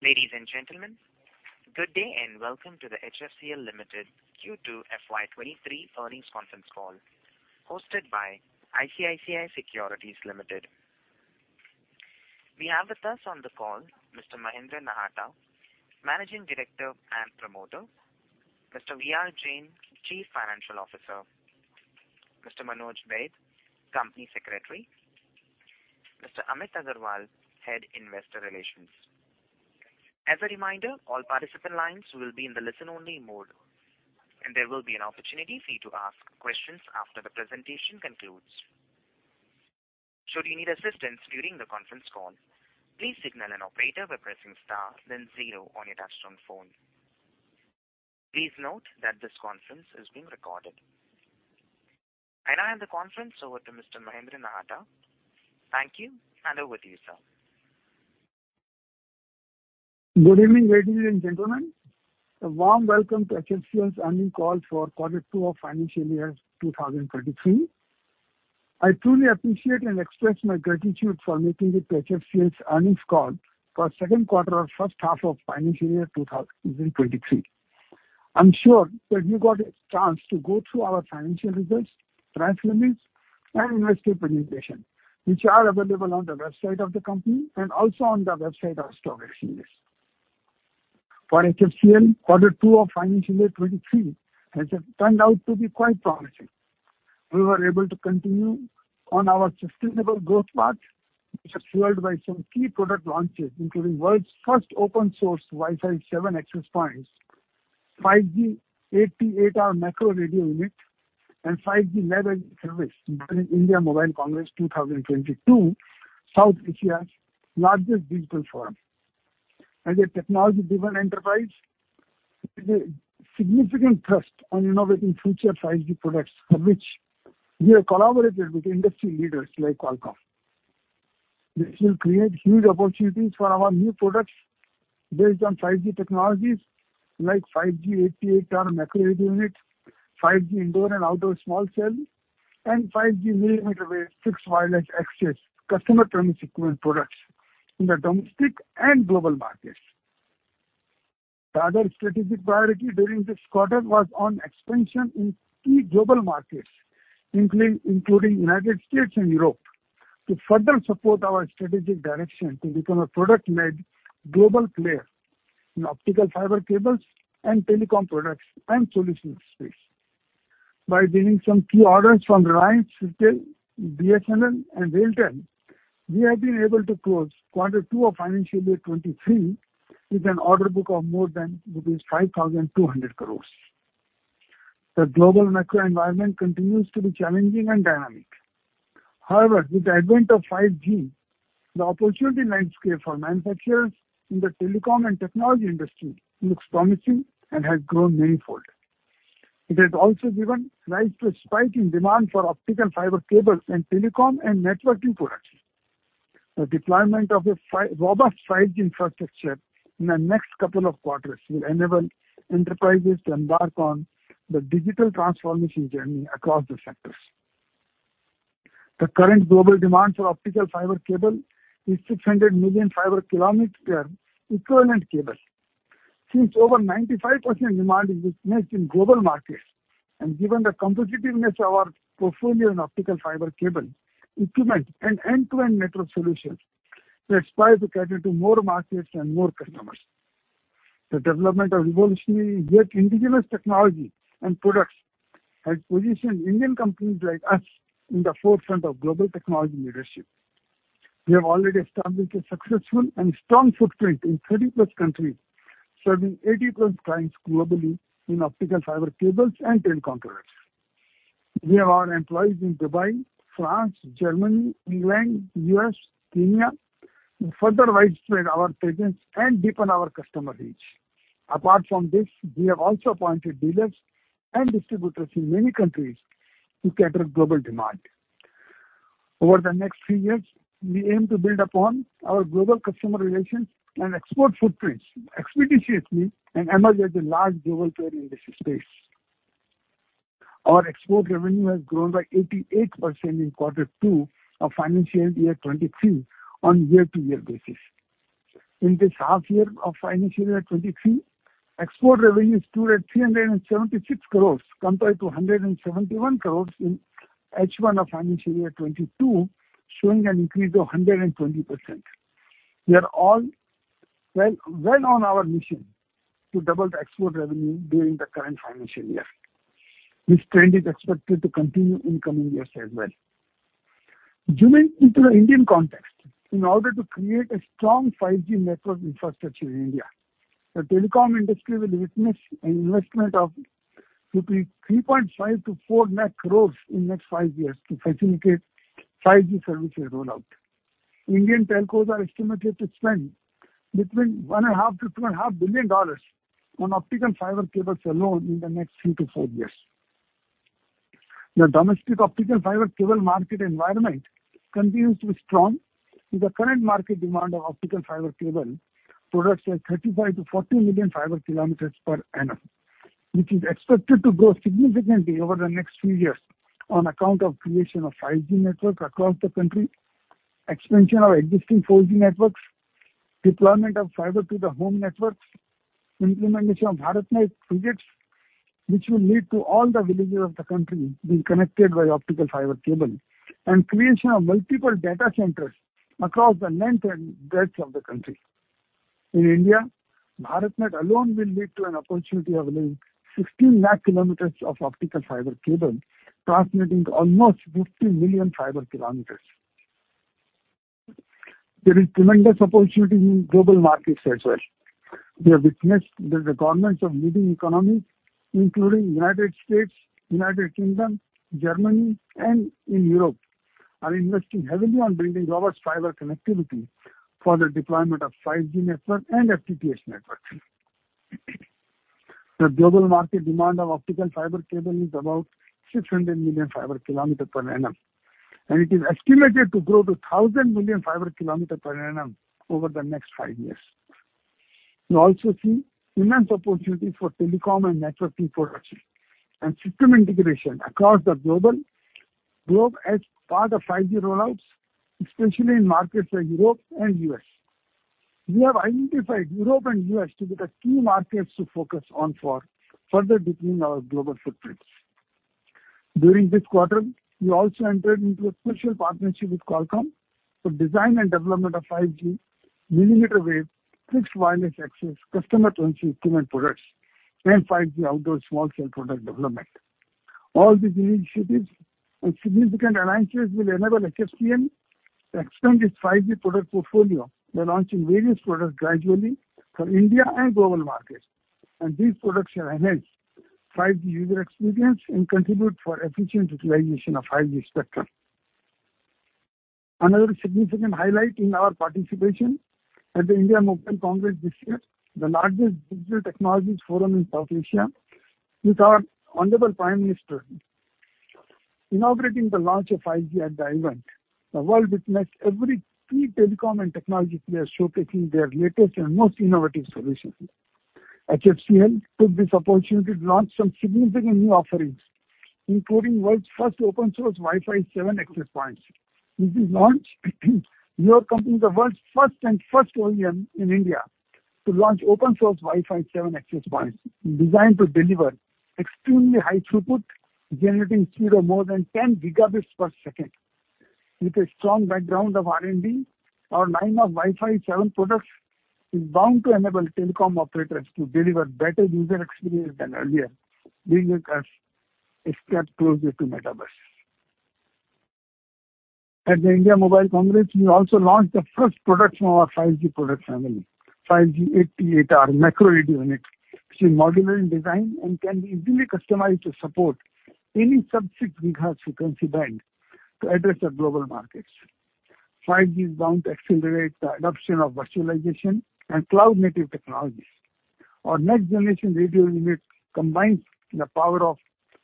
Ladies and gentlemen, good day, and welcome to the HFCL Limited Q2 FY23 earnings conference call hosted by ICICI Securities Limited. We have with us on the call Mr. Mahendra Nahata, Managing Director and Promoter, Mr. V.R. Jain, Chief Financial Officer, Mr. Manoj Baid, Company Secretary, Mr. Amit Agarwal, Head Investor Relations. As a reminder, all participant lines will be in the listen-only mode, and there will be an opportunity for you to ask questions after the presentation concludes. Should you need assistance during the conference call, please signal an operator by pressing star then zero on your touchtone phone. Please note that this conference is being recorded. I now hand the conference over to Mr. Mahendra Nahata. Thank you, and over to you, sir. Good evening, ladies and gentlemen. A warm welcome to HFCL's earnings call for quarter two of financial year 2023. I truly appreciate and express my gratitude for making it to HFCL's earnings call for second quarter of first half of financial year 2023. I'm sure that you got a chance to go through our financial results, press release, and investor presentation, which are available on the website of the company and also on the website of stock exchange. For HFCL, quarter two of financial year 2023 has turned out to be quite promising. We were able to continue on our sustainable growth path, which is fueled by some key product launches, including world's first open-source Wi-Fi 7 access points, 5G 8T8R Macro Radio Unit, and 5G network service during India Mobile Congress 2022, South Asia's largest digital forum. As a technology-driven enterprise, we put significant trust on innovating future 5G products for which we have collaborated with industry leaders like Qualcomm. This will create huge opportunities for our new products based on 5G technologies, like 5G 8T8R Macro Radio Unit, 5G indoor and outdoor small cell, and 5G millimeter wave fixed wireless access customer premises equipment products in the domestic and global markets. The other strategic priority during this quarter was on expansion in key global markets, including United States and Europe, to further support our strategic direction to become a product-led global player in optical fiber cables and telecom products and solutions space. By winning some key orders from Reliance, Airtel, BSNL, and RailTel, we have been able to close quarter two of financial year 2023 with an order book of more than 5,200 crores. The global macro environment continues to be challenging and dynamic. However, with the advent of 5G, the opportunity landscape for manufacturers in the telecom and technology industry looks promising and has grown manifold. It has also given rise to a spike in demand for optical fiber cables and telecom and networking products. The deployment of robust 5G infrastructure in the next couple of quarters will enable enterprises to embark on the digital transformation journey across the sectors. The current global demand for optical fiber cable is 600 million fiber kilometer equivalent cable. Since over 95% demand is witnessed in global markets and given the competitiveness of our portfolio in optical fiber cable, equipment, and end-to-end network solutions, we aspire to cater to more markets and more customers. The development of revolutionary yet indigenous technology and products has positioned Indian companies like us in the forefront of global technology leadership. We have already established a successful and strong footprint in 30+ countries, serving 80+ clients globally in optical fiber cables and telecom products. We have our employees in Dubai, France, Germany, England, U.S., Kenya, who further widespread our presence and deepen our customer reach. Apart from this, we have also appointed dealers and distributors in many countries to cater global demand. Over the next few years, we aim to build upon our global customer relations and export footprints expeditiously and emerge as a large global player in this space. Our export revenue has grown by 88% in quarter two of financial year 2023 on year-over-year basis. In this half-year of financial year 2023, export revenue stood at 376 crore compared to 171 crore in H1 of financial year 2022, showing an increase of 120%. We are all well on our mission to double the export revenue during the current financial year. This trend is expected to continue in coming years as well. Zooming into the Indian context, in order to create a strong 5G network infrastructure in India, the telecom industry will witness an investment of 3.5 lakh crore-4 lakh crore in next five years to facilitate 5G services rollout. Indian telcos are estimated to spend between $1.5-$2.5 billion on optical fiber cables alone in the next three-four years. The domestic optical fiber cable market environment continues to be strong, with the current market demand of optical fiber cable products at 35-40 million fiber kilometers per annum, which is expected to grow significantly over the next few years on account of creation of 5G network across the country, expansion of existing 4G networks, deployment of fiber to the home networks, implementation of BharatNet projects, which will lead to all the villages of the country being connected by optical fiber cable, and creation of multiple data centers across the length and breadth of the country. In India, BharatNet alone will lead to an opportunity of laying 16 lakh kilometers of optical fiber cable, translating to almost 50 million fiber kilometers. There is tremendous opportunity in global markets as well. We have witnessed that the governments of leading economies, including United States, United Kingdom, Germany, and in Europe, are investing heavily on building robust fiber connectivity for the deployment of 5G networks and FTTH networks. The global market demand of optical fiber cable is about 600 million fiber kilometer per annum, and it is estimated to grow to 1,000 million fiber kilometer per annum over the next 5 years. We also see immense opportunity for telecom and networking products and system integration across the globe as part of 5G rollouts, especially in markets like Europe and US. We have identified Europe and US to be the key markets to focus on for further deepening our global footprints. During this quarter, we also entered into a special partnership with Qualcomm for design and development of 5G millimeter wave fixed wireless access customer premises equipment products and 5G outdoor small cell product development. All these initiatives and significant alliances will enable HFCL to expand its 5G product portfolio by launching various products gradually for India and global markets. These products shall enhance 5G user experience and contribute for efficient utilization of 5G spectrum. Another significant highlight in our participation at the India Mobile Congress this year, the largest digital technologies forum in South Asia, with our honorable Prime Minister inaugurating the launch of 5G at the event. The world witnessed every key telecom and technology players showcasing their latest and most innovative solutions. HFCL took this opportunity to launch some significant new offerings, including world's first open-source Wi-Fi 7 access points, which is launched. We are becoming the world's first and only in India to launch open source Wi-Fi 7 access points designed to deliver extremely high throughput, generating speed of more than 10 Gbps. With a strong background of R&D, our line of Wi-Fi 7 products is bound to enable telecom operators to deliver better user experience than earlier, bringing us a step closer to metaverse. At the India Mobile Congress, we also launched the first products from our 5G product family. 5G-8T8R, our macro radio unit, which is modular in design and can be easily customized to support any subsequent gigahertz frequency band to address the global markets. 5G is bound to accelerate the adoption of virtualization and cloud-native technologies. Our next-generation radio unit combines the power of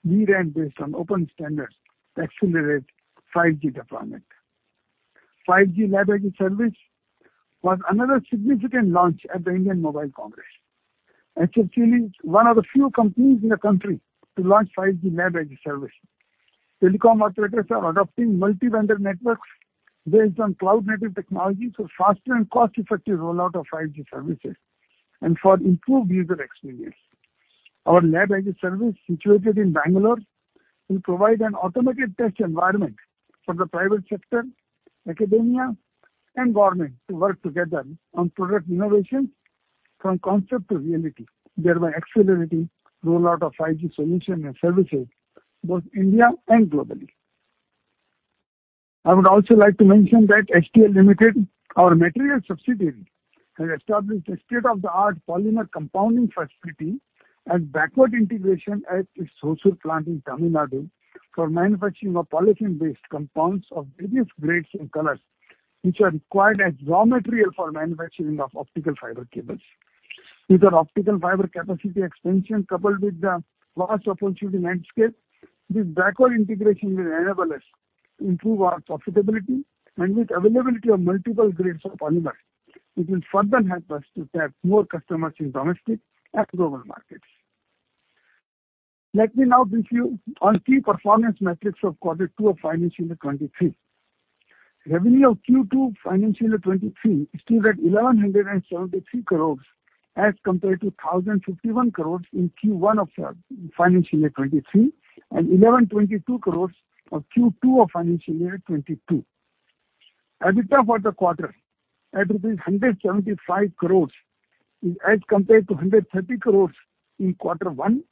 vRAN based on open standards to accelerate 5G deployment. 5G Lab-as-a-Service was another significant launch at the India Mobile Congress. HFCL is one of the few companies in the country to launch 5G Lab-as-a-Service. Telecom operators are adopting multi-vendor networks based on cloud-native technology for faster and cost-effective rollout of 5G services and for improved user experience. Our Lab-as-a-Service, situated in Bangalore, will provide an automated test environment for the private sector, academia, and government to work together on product innovation from concept to reality, thereby accelerating rollout of 5G solution and services both in India and globally. I would also like to mention that HTL Limited, our materials subsidiary, has established a state-of-the-art polymer compounding facility and backward integration at its Hosur plant in Tamil Nadu for manufacturing of polythene-based compounds of various grades and colors, which are required as raw material for manufacturing of optical fiber cables. With our optical fiber capacity expansion coupled with the vast opportunity landscape, this backward integration will enable us improve our profitability, and with availability of multiple grades of polymer, it will further help us to tap more customers in domestic and global markets. Let me now brief you on key performance metrics for quarter two of financial year 2023. Revenue of Q2 financial year 2023 stood at 1,173 crores as compared to 1,051 crores in Q1 of financial year 2023 and 1,122 crores of Q2 of financial year 2022. EBITDA for the quarter at rupees 175 crores is as compared to 130 crores in quarter one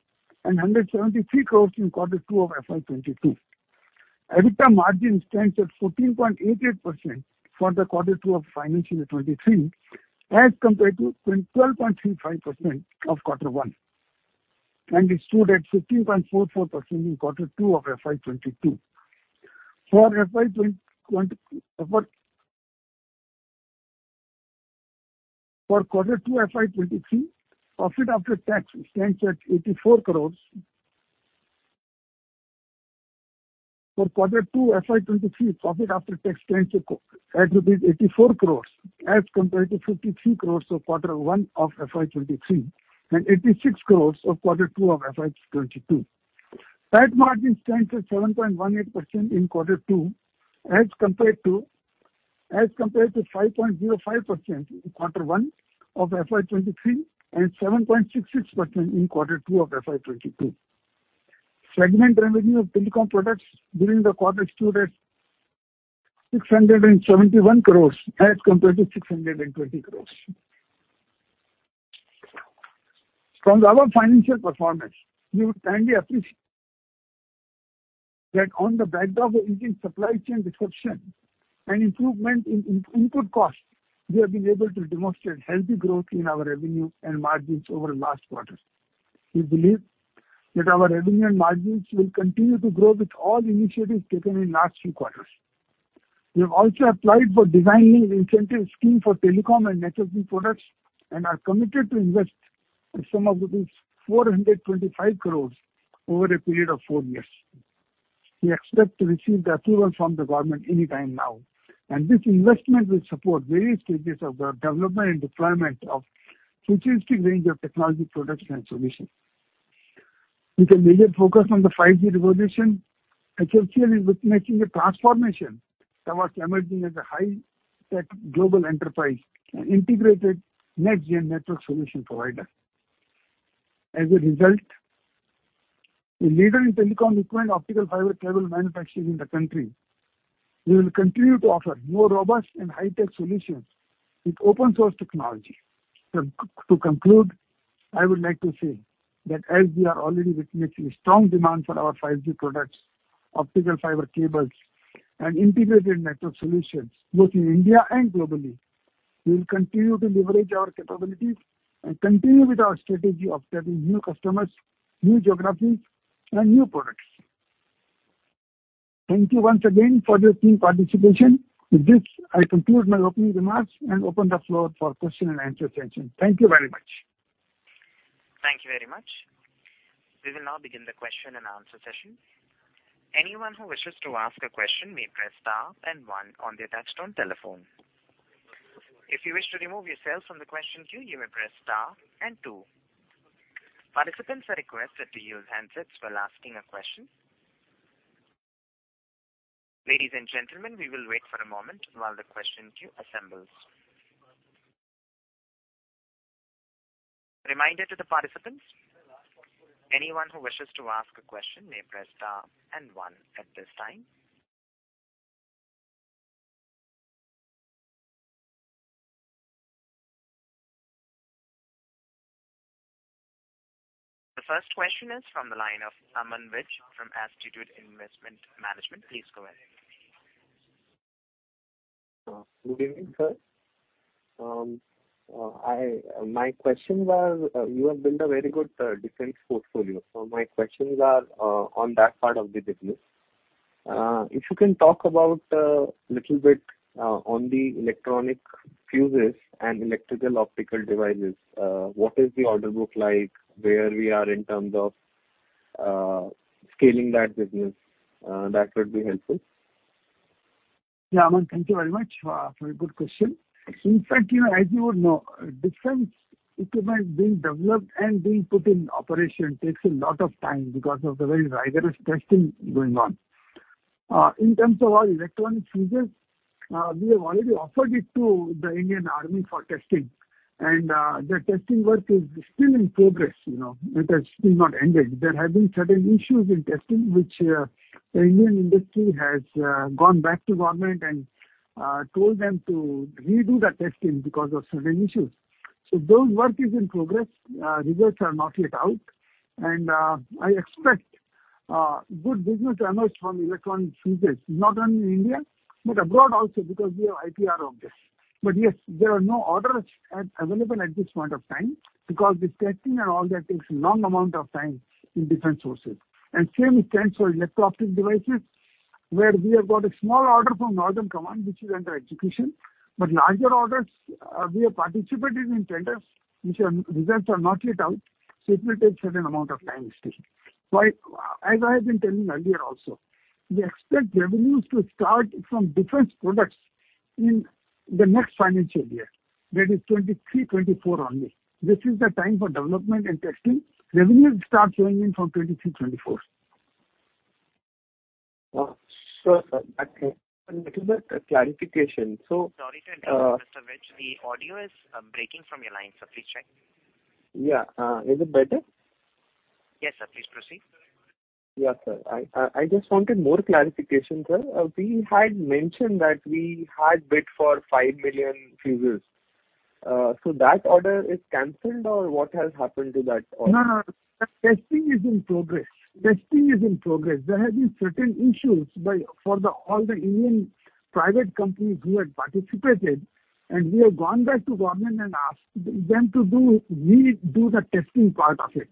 and 173 crores in quarter two of FY22. EBITDA margin stands at 14.88% for quarter two of financial year 2023 as compared to 12.35% of quarter one and it stood at 15.44% in quarter two of FY 2022. For quarter two FY 2023, profit after tax stands at rupees 84 crores as compared to 53 crores for quarter one of FY 2023 and 86 crores for quarter two of FY 2022. Tax margin stands at 7.18% in quarter two as compared to 5.05% in quarter one of FY 2023 and 7.66% in quarter two of FY 2022. Segment revenue of telecom products during the quarter stood at 671 crores as compared to 620 crores. From our financial performance, we would kindly appreciate that on the back of the increasing supply chain disruption and improvement in input costs, we have been able to demonstrate healthy growth in our revenue and margins over the last quarter. We believe that our revenue and margins will continue to grow with all initiatives taken in last few quarters. We have also applied for Design-Linked Incentive Scheme for telecom and networking products and are committed to invest a sum of rupees 425 crores over a period of four years. We expect to receive the approval from the government any time now, and this investment will support various stages of the development and deployment of futuristic range of technology products and solutions. With a major focus on the 5G revolution, HFCL is witnessing a transformation towards emerging as a high-tech global enterprise and integrated next-gen network solution provider. As a result, a leader in telecom equipment optical fiber cable manufacturing in the country, we will continue to offer more robust and high-tech solutions with open source technology. To conclude, I would like to say that as we are already witnessing strong demand for our 5G products, optical fiber cables and integrated network solutions both in India and globally, we will continue to leverage our capabilities and continue with our strategy of serving new customers, new geographies and new products. Thank you once again for your keen participation. With this, I conclude my opening remarks and open the floor for question and answer session. Thank you very much. Thank you very much. We will now begin the question and answer session. Anyone who wishes to ask a question may press star and one on their touchtone telephone. If you wish to remove yourself from the question queue, you may press star and two. Participants are requested to use handsets while asking a question. Ladies and gentlemen, we will wait for a moment while the question queue assembles. Reminder to the participants, anyone who wishes to ask a question may press star and one at this time. The first question is from the line of Aman Vij from Astute Investment Management. Please go ahead. Good evening, sir. My question was you have built a very good defense portfolio. My questions are on that part of the business. If you can talk about a little bit on the electronic fuses and electro-optical devices. What is the order book like? Where we are in terms of scaling that business? That would be helpful. Yeah. Aman, thank you very much for a good question. In fact, you know, as you would know, defense equipment being developed and being put in operation takes a lot of time because of the very rigorous testing going on. In terms of our electronic fuses, we have already offered it to the Indian Army for testing and the testing work is still in progress, you know. It has still not ended. There have been certain issues in testing which the Indian industry has gone back to government and told them to redo the testing because of certain issues. Those work is in progress. Results are not yet out. I expect good business to emerge from electronic fuses, not only in India, but abroad also because we are IPR on this. Yes, there are no orders available at this point of time because the testing and all that takes a long amount of time in defense sector. Same extends for electro-optic devices, where we have got a small order from Northern Command, which is under execution. Larger orders, we have participated in tenders which results are not yet out, so it will take a certain amount of time still. I, as I have been telling earlier also, expect revenues to start from defense products in the next financial year, that is 2023-2024 only. This is the time for development and testing. Revenues will start flowing in from 2023-2024. Sir, okay. Little bit clarification. Sorry to interrupt, Mr. Vij. The audio is breaking from your line, sir. Please check. Yeah. Is it better? Yes, sir. Please proceed. Yeah, sir. I just wanted more clarification, sir. We had mentioned that we had bid for 5 million fuses. So that order is canceled or what has happened to that order? No, no. The testing is in progress. There have been certain issues for all the Indian private companies who had participated, and we have gone back to government and asked them to redo the testing part of it.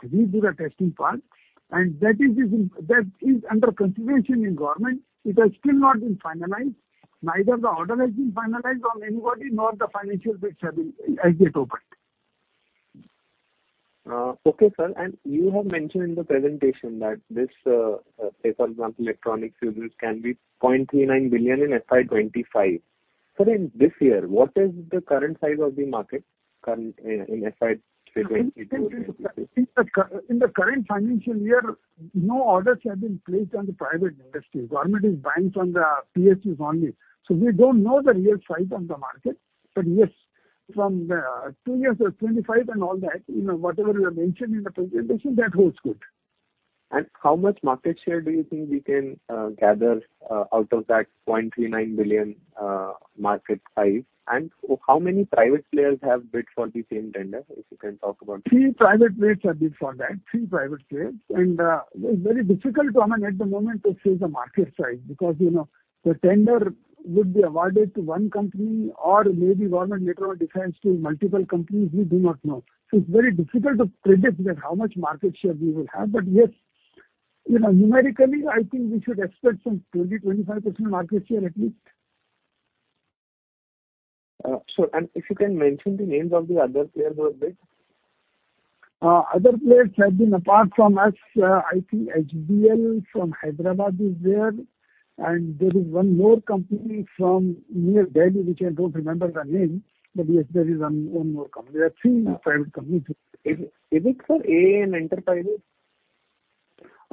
That is under consideration in government. It has still not been finalized. Neither the order has been finalized on anybody, nor the financial bids have been as yet opened. Okay, sir. You have mentioned in the presentation that this, say for example, electronic fuses can be 0.39 billion in FY 2025. In this year, what is the current size of the market in FY 2024? In the current financial year, no orders have been placed on the private industry. Government is buying from the PSUs only. We don't know the real size of the market. Yes, from the two years of 25 and all that, you know, whatever we have mentioned in the presentation, that holds good. How much market share do you think we can gather out of that 0.39 billion market size? How many private players have bid for the same tender, if you can talk about it? Three private players have bid for that. Three private players. It's very difficult, Aman, at the moment to say the market size because you know the tender would be awarded to one company or maybe Government of India or Defence to multiple companies, we do not know. It's very difficult to predict that how much market share we will have. Yes, you know, numerically I think we should expect some 20-25% market share at least. If you can mention the names of the other players who have bid? Other players apart from us, I think HBL from Hyderabad is there, and there is one more company from near Delhi which I don't remember the name, but yes there is one more company. There are three private companies. Is it, sir, AAM Enterprises?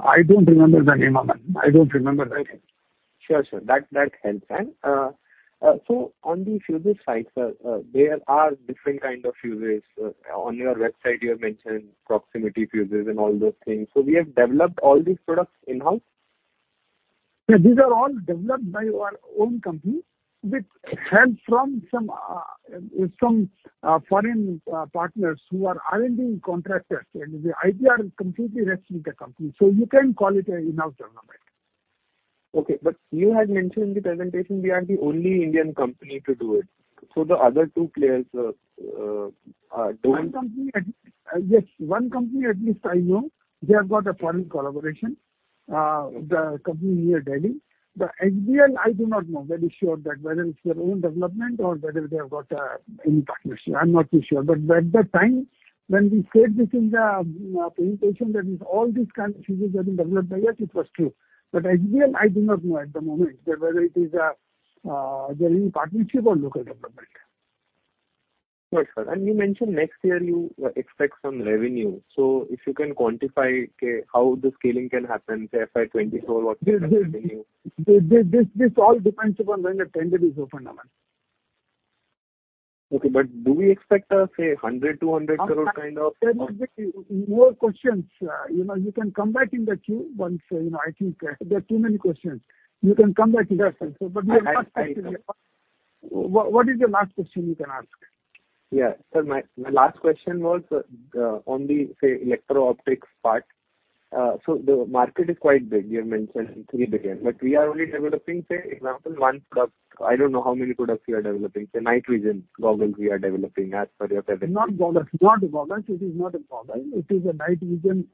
I don't remember the name, Aman Vij. I don't remember the name. Sure. That helps. On the fuses side, sir, there are different kind of fuses. On your website you have mentioned proximity fuses and all those things. We have developed all these products in-house? Yes, these are all developed by our own company with help from some foreign partners who are R&D contractors. The IP are completely resting with the company. You can call it an in-house development. Okay, but you had mentioned in the presentation we are the only Indian company to do it. The other two players don't- One company at least I know they have got a foreign collaboration. The company near Delhi. The HBL I do not know very sure that whether it's their own development or whether they have got any partnership. I'm not too sure. At that time when we said this in the presentation that is all these kind of fuses have been developed by us, it was true. HBL I do not know at the moment whether it is they're in partnership or local development. Right, sir. You mentioned next year you expect some revenue. If you can quantify, okay, how the scaling can happen, say FY 2024, what's the revenue? This all depends upon when the tender is opened, Aman. Do we expect, say, 100-200 crore kind of- Aman, there must be more questions. You know you can come back in the queue once, you know, I think, there are too many questions. You can come back to that, but your last question. I What is the last question you can ask? Yeah. Sir, my last question was on the, say, electro-optics part. So the market is quite big. You have mentioned $3 billion. We are only developing, say, for example, one product. I don't know how many products we are developing. Say, night vision goggles we are developing as per your presentation. It is not a goggles. It is a night vision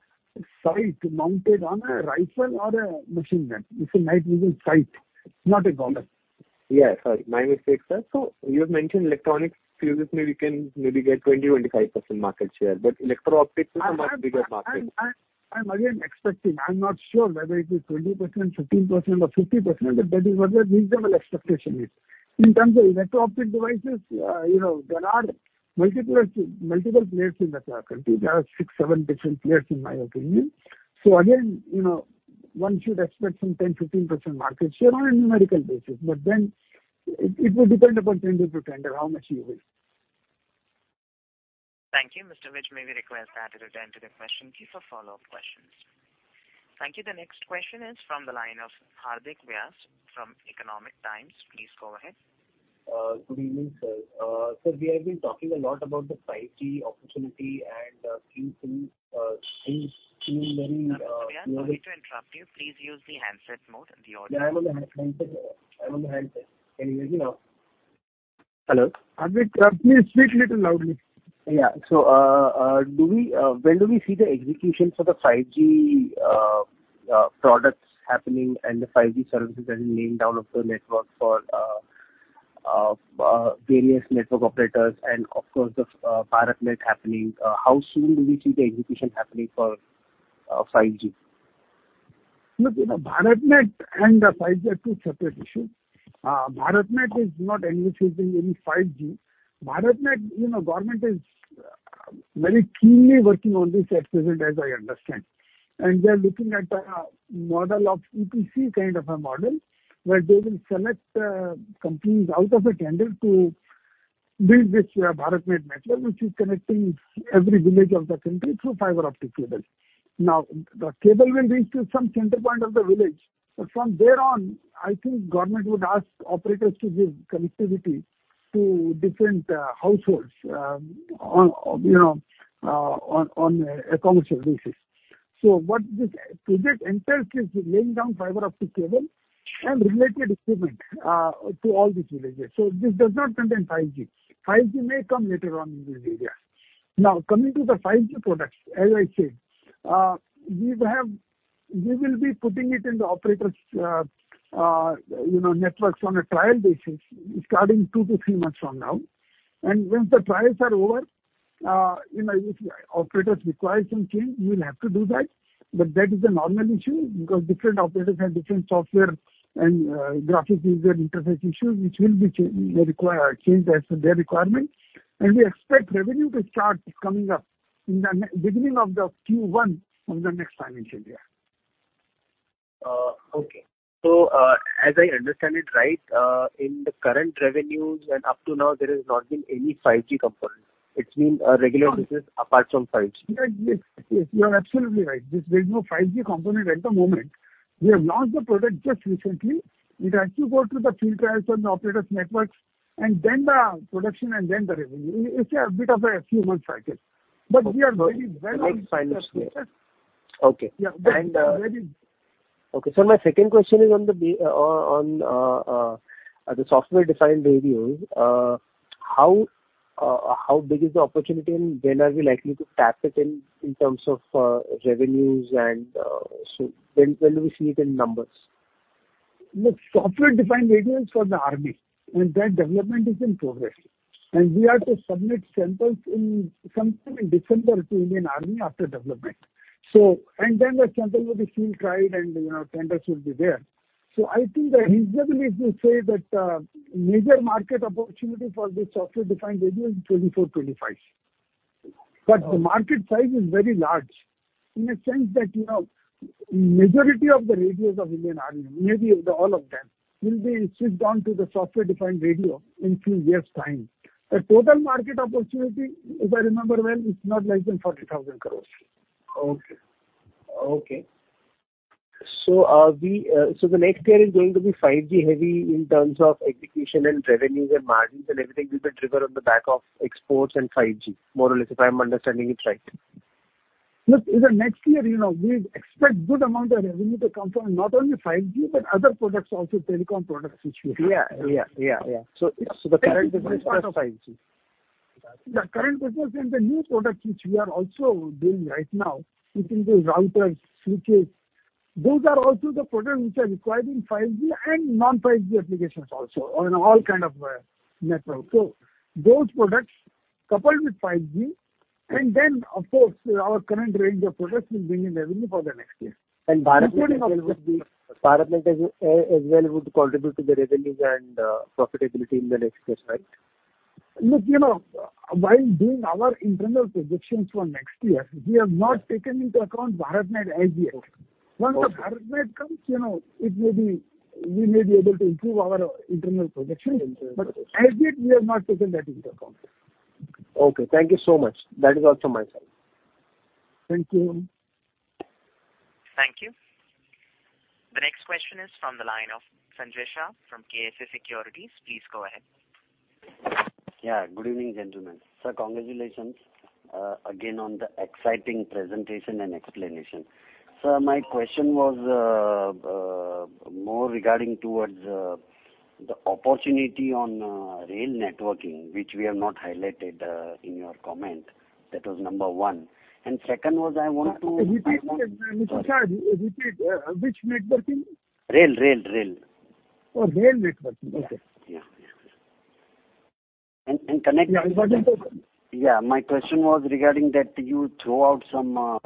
sight mounted on a rifle or a machine gun. It's a night vision sight, not a goggles. Yeah, sorry. My mistake, sir. You have mentioned electronic fuses maybe can, maybe get 20-25% market share, but electro-optics is a much bigger market. I'm again expecting. I'm not sure whether it is 20%, 15% or 50%, but that is what our reasonable expectation is. In terms of electro-optic devices, you know there are multiple players in the country. There are six, seven different players in my opinion. Again, you know, one should expect some 10, 15% market share on a numerical basis, but then it will depend upon tender to tender how much you will. Thank you, Mr. Vij. May we request that you return to the question queue for follow-up questions. Thank you. The next question is from the line of Hardik Vyas from Economic Times. Please go ahead. Good evening, sir. Sir, we have been talking a lot about the 5G opportunity and things seem very Mr. Vyas, sorry to interrupt you. Please use the handset mode. Yeah, I'm on the handset. Can you hear me now? Hello? Hardik, please speak little loudly. When do we see the execution for the 5G products happening and the 5G services as in laying down the network for various network operators and of course the BharatNet happening? How soon do we see the execution happening for 5G? Look, you know, BharatNet and 5G are two separate issues. BharatNet is not envisaging any 5G. BharatNet, you know, government is very keenly working on this at present, as I understand, and they are looking at a model of EPC kind of a model, where they will select companies out of a tender to build this BharatNet network, which is connecting every village of the country through fiber optic cables. Now, the cable will reach to some center point of the village, but from there on, I think government would ask operators to give connectivity to different households on a commercial basis. What this project entails is laying down fiber optic cable and related equipment to all these villages. This does not contain 5G. 5G may come later on in this area. Now coming to the 5G products, as I said, we will be putting it in the operators, you know, networks on a trial basis starting two-three months from now. Once the trials are over, you know, if operators require some change, we will have to do that. That is a normal issue because different operators have different software and graphical user interface issues, which will require changes as to their requirement. We expect revenue to start coming up in the beginning of the Q1 of the next financial year. Okay. As I understand it right, in the current revenues and up to now, there has not been any 5G component. It's been a regular business apart from 5G. Yes. Yes, you are absolutely right. There's no 5G component at the moment. We have launched the product just recently. It has to go through the field trials on the operators' networks and then the production and then the revenue. It's a bit of a few months cycle. We are very well on. Next financial year. the process. Okay. Yeah. And, uh- Very- Okay. My second question is on the Software Defined Radios. How big is the opportunity, and when are we likely to tap into it in terms of revenues, and when do we see it in numbers? Look, Software Defined Radio is for the army, and that development is in progress. We have to submit samples sometime in December to Indian Army after development. Then the sample will be field tried and, you know, tenders will be there. I think it's reasonable to say that major market opportunity for this Software Defined Radio is 2024-2025. But the market size is very large in the sense that, you know, majority of the radios of Indian Army, maybe all of them, will be switched on to the Software Defined Radio in few years' time. The total market opportunity, if I remember well, it's not less than 40,000 crore. Okay, the next year is going to be 5G heavy in terms of execution and revenues and margins and everything will be triggered on the back of exports and 5G, more or less, if I'm understanding it right. Look, in the next year, you know, we expect good amount of revenue to come from not only 5G, but other products also, telecom products which we have. Yeah. The current business plus 5G. The current business and the new product which we are also doing right now, it will be routers, switches. Those are also the products which are required in 5G and non-5G applications also on all kind of networks. Those products coupled with 5G and then of course our current range of products will bring in revenue for the next year. BharatNet as well. Including also the- BharatNet as well would contribute to the revenues and profitability in the next years, right? Look, you know, while doing our internal projections for next year, we have not taken into account BharatNet as yet. Okay. Once the BharatNet comes, you know, it may be, we may be able to improve our internal projection. As yet we have not taken that into account. Okay, thank you so much. That is all from my side. Thank you. Thank you. The next question is from the line of Sanjay Shah from KSA Securities. Please go ahead. Yeah. Good evening, gentlemen. Sir, congratulations again on the exciting presentation and explanation. Sir, my question was more regarding towards the opportunity on rail networking, which we have not highlighted in your comment. That was number one. Second was I want to- Repeat. Mr. Shah, repeat. Which networking? Rail. Oh, rail networking. Okay. Yeah. Connect- Yeah. Yeah. My question was regarding that you threw out some of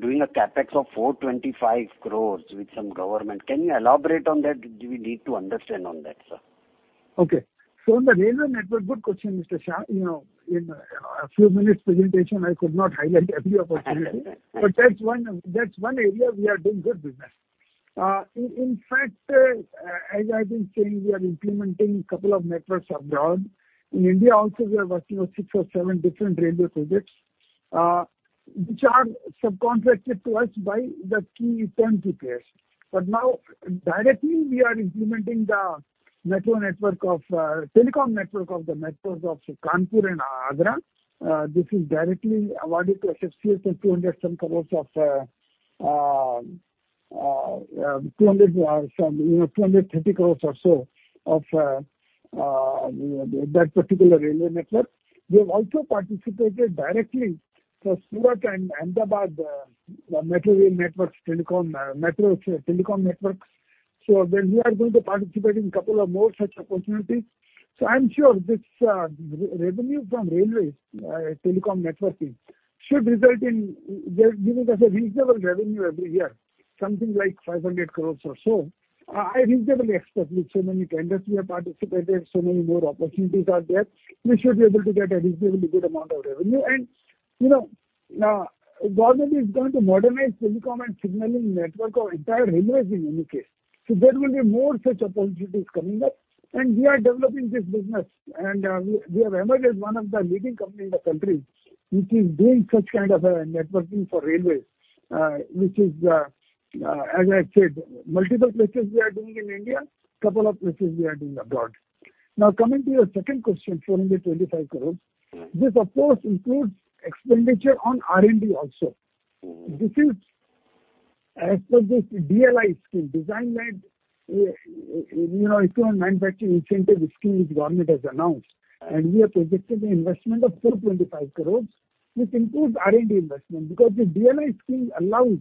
doing a CapEx of 425 crores with some government. Can you elaborate on that? Do we need to understand on that, sir? Okay. On the railway network, good question, Mr. Shah. You know, in a few minutes presentation, I could not highlight every opportunity. That's one area we are doing good business. In fact, as I've been saying, we are implementing couple of networks abroad. In India also we are working on 6 or 7 different railway projects, which are subcontracted to us by the key turnkey players. Now directly we are implementing the metro network of, telecom network of the metros of Kanpur and Agra. This is directly awarded to HFCL for 230 crores or so for that particular railway network. We have also participated directly for Surat and Ahmedabad metro rail networks, telecom, metro telecom networks. We are going to participate in couple of more such opportunities. I'm sure this revenue from railways, telecom networking should result in giving us a reasonable revenue every year, something like 500 crore or so. I reasonably expect with so many tenders we have participated, so many more opportunities are there. We should be able to get a reasonably good amount of revenue. You know, government is going to modernize telecom and signaling network of entire railways in any case. There will be more such opportunities coming up. We are developing this business. We have emerged as one of the leading company in the country which is doing such kind of a networking for railways. Which is, as I said, multiple places we are doing in India, couple of places we are doing abroad. Now, coming to your second question, 425 crore. Mm. This of course includes expenditure on R&D also. Mm. As per this DLI scheme, Design-Linked, you know, Equipment Manufacturing Incentive Scheme which government has announced, and we have projected the investment of 425 crores, which includes R&D investment. Because the DLI scheme allows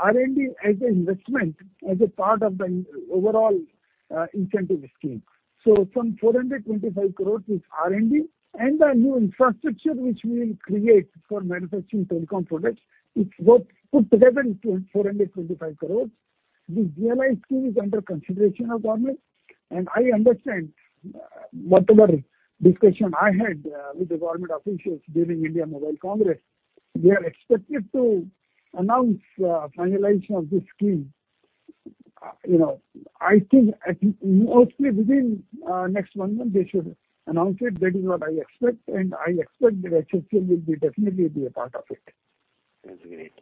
R&D as an investment, as a part of the overall incentive scheme. From 425 crores is R&D, and the new infrastructure which we will create for manufacturing telecom products, it's worth put together into 425 crores. This DLI scheme is under consideration of government, and I understand, whatever discussion I had with the government officials during India Mobile Congress, they are expected to announce finalization of this scheme, you know, I think at mostly within next one month they should announce it. That is what I expect, and I expect that HFCL will definitely be a part of it. That's great.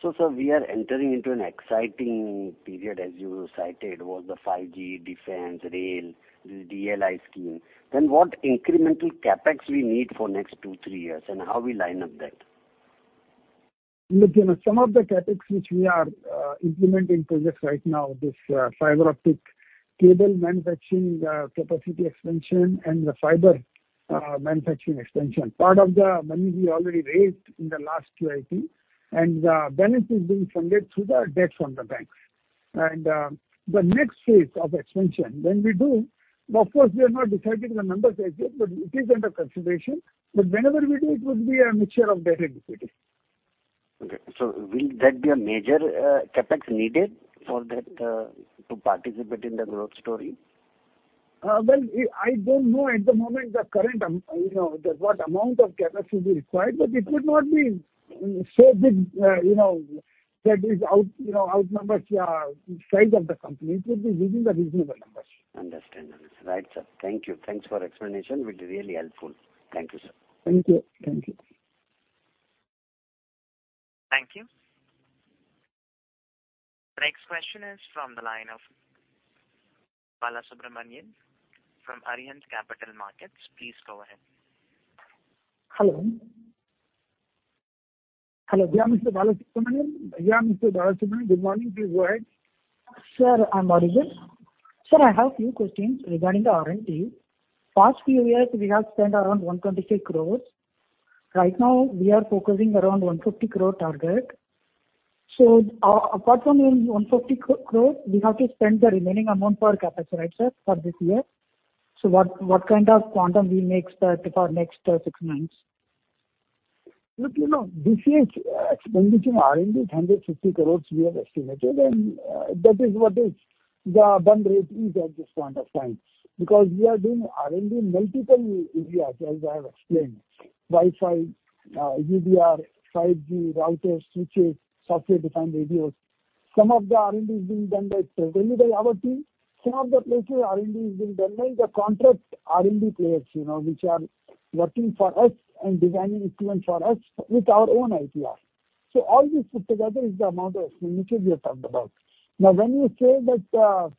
Sir, we are entering into an exciting period as you cited, was the 5G, defense, rail, this DLI scheme. What incremental CapEx we need for next 2, 3 years, and how we line up that? Look, you know, some of the CapEx which we are implementing projects right now, this fiber optic cable manufacturing capacity expansion and the fiber manufacturing expansion. Part of the money we already raised in the last QIP, and the balance is being funded through the debt from the banks. The next phase of expansion, when we do, of course, we have not decided the numbers as yet, but it is under consideration. Whenever we do, it would be a mixture of debt and equity. Will that be a major CapEx needed for that to participate in the growth story? Well, I don't know at the moment the current, you know, what amount of CapEx will be required, but it would not be so big, you know, that is out, you know, outnumbers size of the company. It would be within the reasonable numbers. Understandable. Right, sir. Thank you. Thanks for explanation, it was really helpful. Thank you, sir. Thank you. Thank you. Thank you. The next question is from the line of Balasubramanian from Arihant Capital Markets. Please go ahead. Hello. Hello. Yeah, Mr. Balasubramanian. Good morning. Please go ahead. Sir, I'm audible. Sir, I have few questions regarding the R&D. Past few years we have spent around 125 crore. Right now we are focusing around 150 crore target. Apart from the 150 crore, we have to spend the remaining amount for CapEx, right, sir, for this year? What kind of quantum we may expect for next six months? Look, you know, this year's expenditure in R&D is 150 crore we have estimated, and that is what the burn rate is at this point of time. Because we are doing R&D in multiple areas, as I have explained. Wi-Fi, UBR, 5G, routers, switches, software-defined radios. Some of the R&D is being done by really by our team. Some of the places R&D is being done by the contract R&D players, you know, which are working for us and designing equipment for us with our own IPR. So all this put together is the amount of money which we have talked about. Now, when you say that,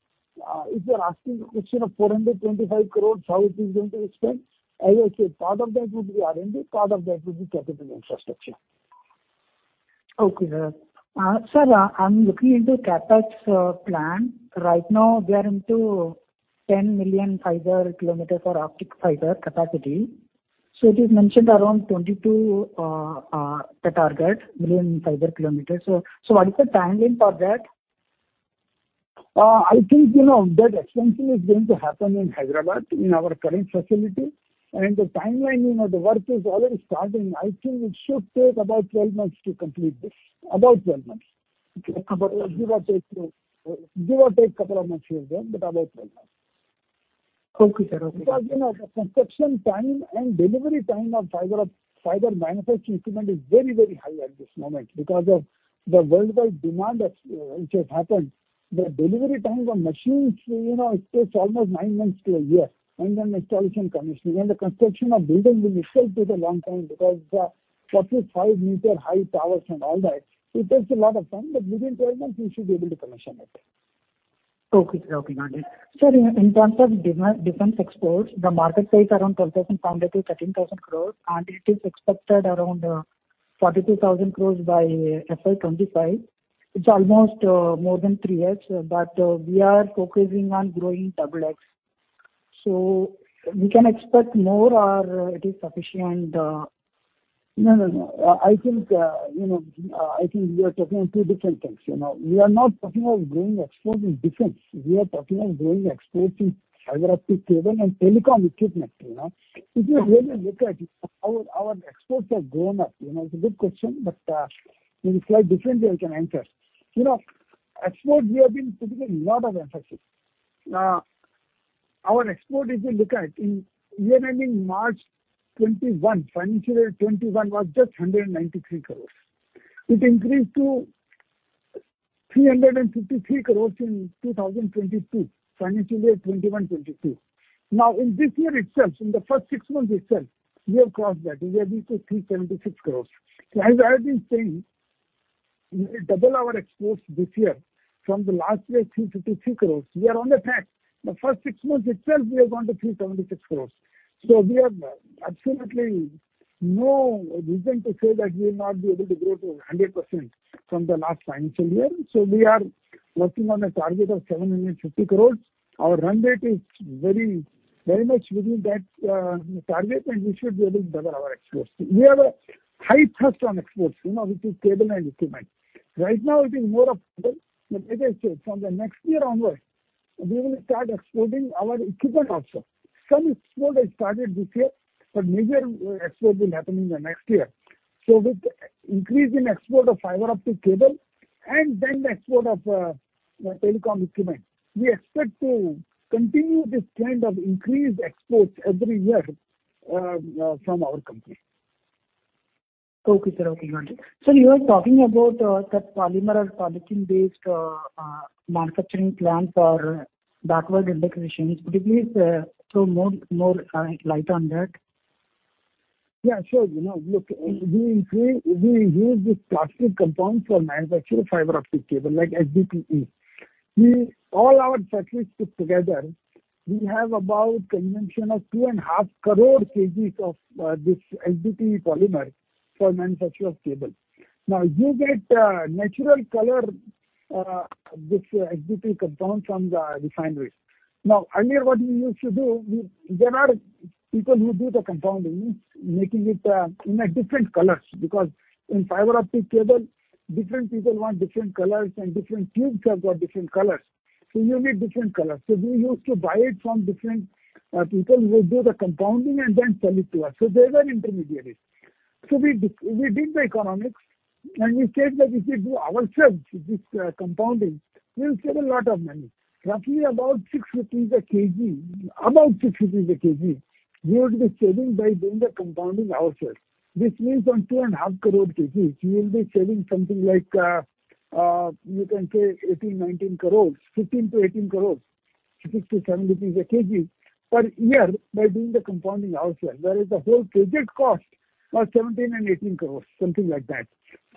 if you're asking the question of 425 crore, how it is going to be spent? As I said, part of that would be R&D, part of that would be capital infrastructure. Sir, I'm looking into CapEx plan. Right now we are into 10 million fiber kilometer for optical fiber capacity. It is mentioned around 22, the target, million fiber kilometers. What is the timeline for that? I think, you know, that expansion is going to happen in Hyderabad in our current facility. The timeline, you know, the work is already starting. I think it should take about 12 months to complete this. Okay. About give or take to, give or take couple of months here and there, but about 12 months. Okay, sir. Okay. Because, you know, the construction time and delivery time of fiber optic manufacturing equipment is very, very high at this moment because of the worldwide demand that's which has happened. The delivery times on machines, you know, it takes almost nine months to a year, and then installation, commissioning. The construction of building will itself take a long time because forty-five meter high towers and all that, it takes a lot of time, but within 12 months we should be able to commission it. Okay, sir. Okay, got it. Sir, in terms of demand in defense exports, the market size around INR 10,500-13,000 crore, and it is expected around 42,000 crore by FY 2025. It's almost more than 3 years, but we are focusing on growing double-digit. We can expect more or it is sufficient? No, no. I think, you know, I think you are talking of two different things, you know. We are not talking of growing exports in defense. We are talking of growing exports in fiber optic cable and telecom equipment, you know. If you really look at our exports have grown up. You know, it's a good question, but in a slight different way I can answer. You know, exports, we have been putting a lot of emphasis. Our exports, if you look at in year ending March 2021, financial year 2021 was just 193 crores. It increased to 353 crores in 2022, financial year 2021, 2022. Now, in this year itself, in the first six months itself, we have crossed that. We have reached to 376 crores. As I have been saying, we double our exports this year from the last year 3-3 crores. We are on the track. The first six months itself, we have gone to 376 crores. We have absolutely no reason to say that we will not be able to grow to 100% from the last financial year. We are working on a target of 750 crores. Our run rate is very, very much within that target, and we should be able to double our exports. We have a high thrust on exports, you know, which is cable and equipment. Right now it is more of cable, but as I said, from the next year onward, we will start exporting our equipment also. Some export has started this year, but major export will happen in the next year. With increase in export of fiber optic cable and then export of telecom equipment, we expect to continue this trend of increased exports every year from our company. Okay, sir. Okay, got it. Sir, you were talking about that polymer or polythene based manufacturing plant for backward integration. Could you please throw more light on that? Yeah, sure. You know, look, we use this plastic compound for manufacture fiber optic cable, like HDPE. All our factories put together, we have about consumption of 2.5 crore kgs of this HDPE polymer for manufacture of cable. Now, you get natural color this HDPE compound from the refineries. Now, earlier what we used to do, there are people who do the compounding, making it in different colors because in fiber optic cable, different people want different colors and different tubes have got different colors. You need different colors. We used to buy it from different people who do the compounding and then sell it to us. They were intermediaries. We did the economics, and we said that if we do ourselves this compounding, we will save a lot of money. Roughly about 6 rupees a kg, we would be saving by doing the compounding ourselves. This means on 2.5 crore kgs, we will be saving something like, you can say 18, 19 crore. 15 crore-18 crore. 6-7 rupees a kg per year by doing the compounding ourselves, whereas the whole project cost was 17-18 crore, something like that.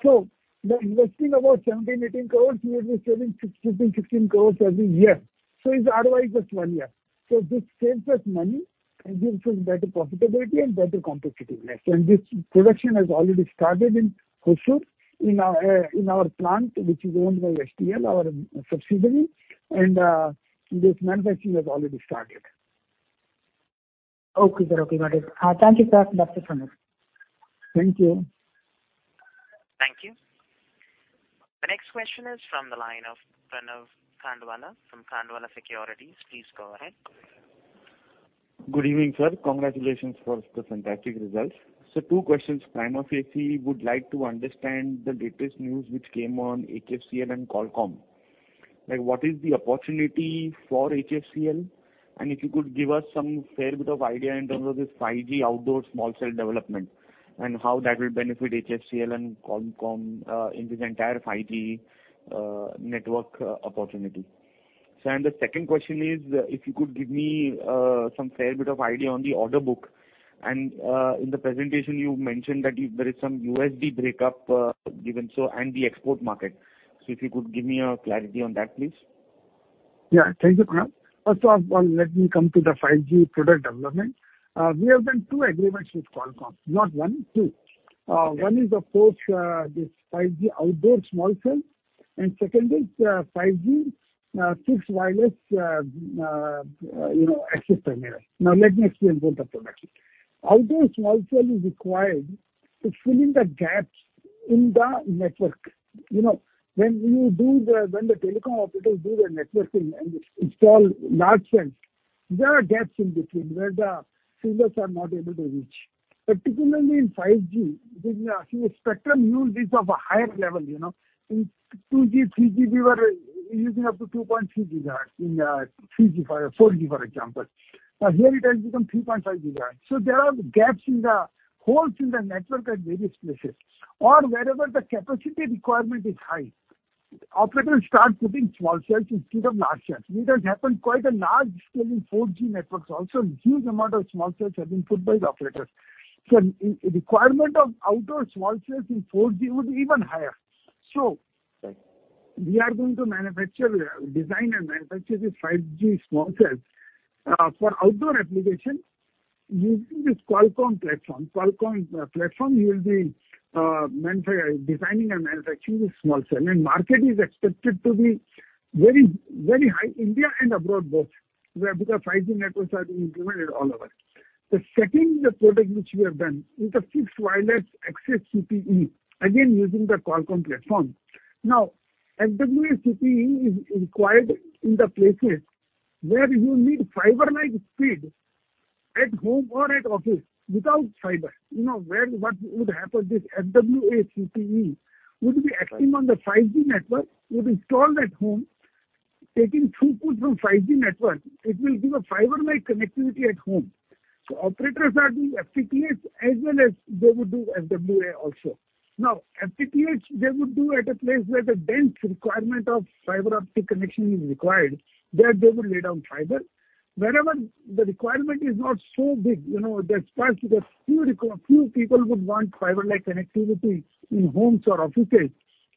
By investing about 17-18 crore, we will be saving 6-16 crore every year. Its ROI is just one year. This saves us money and gives us better profitability and better competitiveness. This production has already started in Hosur, in our plant, which is owned by HTL, our subsidiary. This manufacturing has already started. Okay, sir. Okay, got it. Thank you, sir. That's it from me. Thank you. Thank you. The next question is from the line of Pranav Khandwala from Khandwala Securities. Please go ahead. Good evening, sir. Congratulations for the fantastic results. Two questions. Time of AC would like to understand the latest news which came on HFCL and Qualcomm. Like, what is the opportunity for HFCL? And if you could give us some fair bit of idea in terms of this 5G outdoor small cell development and how that will benefit HFCL and Qualcomm in this entire 5G network opportunity. The second question is, if you could give me some fair bit of idea on the order book. And, in the presentation, you mentioned that if there is some USD breakup given so and the export market. If you could give me a clarity on that, please. Yeah. Thank you, Pranav. First of all, let me come to the 5G product development. We have done two agreements with Qualcomm. Not one, two. One is of course this 5G outdoor small cell, and second is 5G fixed wireless you know access terminal. Now let me explain both the products. Outdoor small cell is required for filling the gaps in the network. You know, when the telecom operators do the networking and install large cells, there are gaps in between where the signals are not able to reach. Particularly in 5G, the spectrum used is of a higher level, you know. In 2G, 3G, we were using up to 2.3 GHz in 3G, for 4G for example. But here it has become 3.5 GHz. There are gaps or holes in the network at various places. Wherever the capacity requirement is high, operators start putting small cells instead of large cells. It has happened on quite a large scale in 4G networks also. A huge amount of small cells have been put by the operators. The requirement of outdoor small cells in 4G would be even higher. We are going to manufacture, design and manufacture these 5G small cells for outdoor application using this Qualcomm platform. The Qualcomm platform will be designing and manufacturing the small cell. The market is expected to be very, very high, India and abroad both, because 5G networks are being implemented all over. The second product which we have done is the fixed wireless access CPE, again using the Qualcomm platform. Now, FWA CPE is required in the places where you need fiber-like speed at home or at office without fiber. You know, What would happen, this FWA CPE would be acting on the 5G network, would be installed at home. Taking throughput from 5G network, it will give a fiber-like connectivity at home. Operators are doing FTTH as well as they would do FWA also. Now, FTTH, they would do at a place where the dense requirement of fiber optic connection is required. There they would lay down fiber. Wherever the requirement is not so big, you know, those parts where few people would want fiber-like connectivity in homes or offices.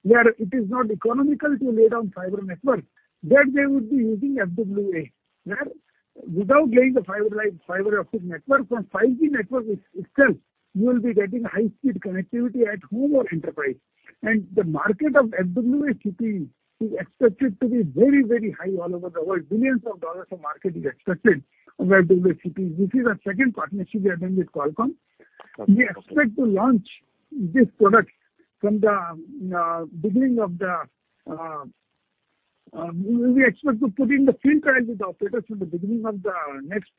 Where it is not economical to lay down fiber network, there they would be using FWA. Where without laying the fiber line, fiber optic network, from 5G network itself, you will be getting high-speed connectivity at home or enterprise. The market of FWA CPE is expected to be very, very high all over the world. Billions of dollars of market is expected of FWA CPE. This is our second partnership we are doing with Qualcomm. Okay. We expect to put in the field trial with the operators from the beginning of the next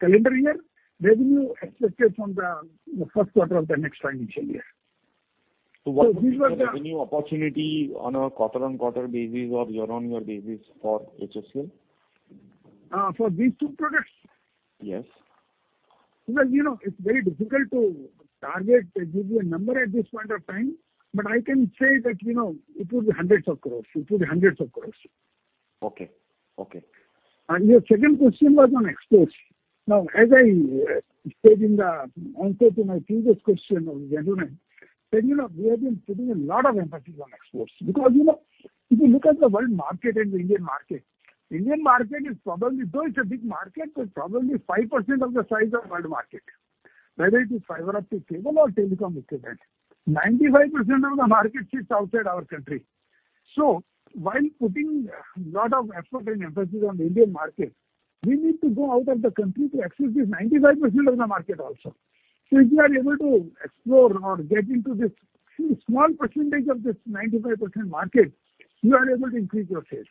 calendar year. Revenue expected from the first quarter of the next financial year. What will be the revenue opportunity on a quarter-on-quarter basis or year-on-year basis for HSA? For these two products? Yes. Well, you know, it's very difficult to target, give you a number at this point of time. I can say that, you know, it will be hundreds of crores. It will be hundreds of crores. Okay. Okay. Your second question was on exports. Now, as I said in the answer to my previous question on revenue, that, you know, we have been putting a lot of emphasis on exports because, you know, if you look at the world market and the Indian market, Indian market is probably, though it's a big market, but probably 5% of the size of world market, whether it is fiber optic cable or telecom equipment. 95% of the market sits outside our country. While putting a lot of effort and emphasis on Indian market, we need to go out of the country to access this 95% of the market also. If you are able to explore or get into this small percentage of this 95% market, you are able to increase your sales.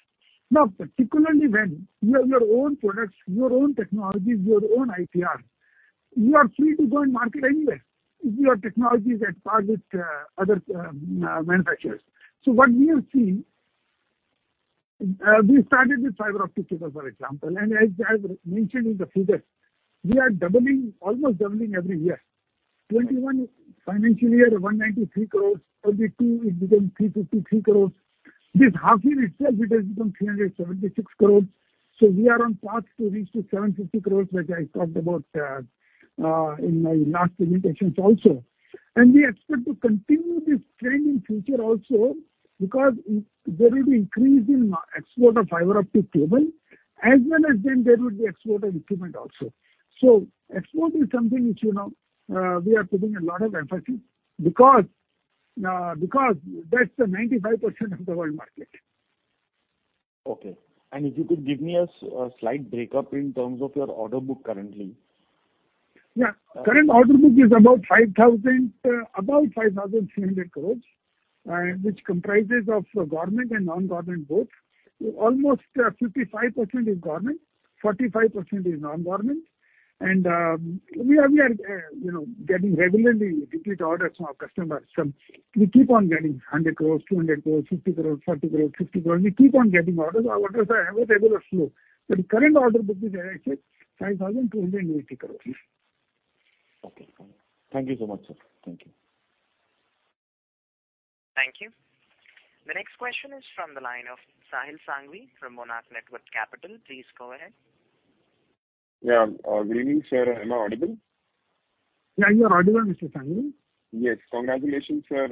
Now, particularly when you have your own products, your own technologies, your own IPR, you are free to go and market anywhere if your technology is at par with other manufacturers. What we have seen, we started with fiber optic cable, for example, and as I've mentioned in the figures, we are doubling, almost doubling every year. 2021 financial year, 193 crores. 2022, it became 353 crores. This half year itself it has become 376 crores. We are on path to reach to 750 crores, which I talked about in my last presentations also. We expect to continue this trend in future also because it, there will be increase in export of fiber optic cable as well as then there will be export of equipment also. Export is something which, you know, we are putting a lot of emphasis because that's the 95% of the world market. Okay. If you could give me a slight breakup in terms of your order book currently. Yeah. Uh. Current order book is about 5,000 crore, about 5,300 crore, which comprises of government and non-government both. Almost, 55% is government, 45% is non-government. We are you know getting regularly repeat orders from our customers. We keep on getting 100 crore, 200 crore, 50 crore, 40 crore, 60 crore. We keep on getting orders. Our orders are have a regular flow. Current order book is, as I said, 5,280 crore. Okay, fine. Thank you so much, sir. Thank you. Thank you. The next question is from the line of Sahil Sanghvi from Monarch Networth Capital. Please go ahead. Yeah. Good evening, sir. Am I audible? Yeah. You're audible, Mr. Sanghvi. Yes. Congratulations, sir,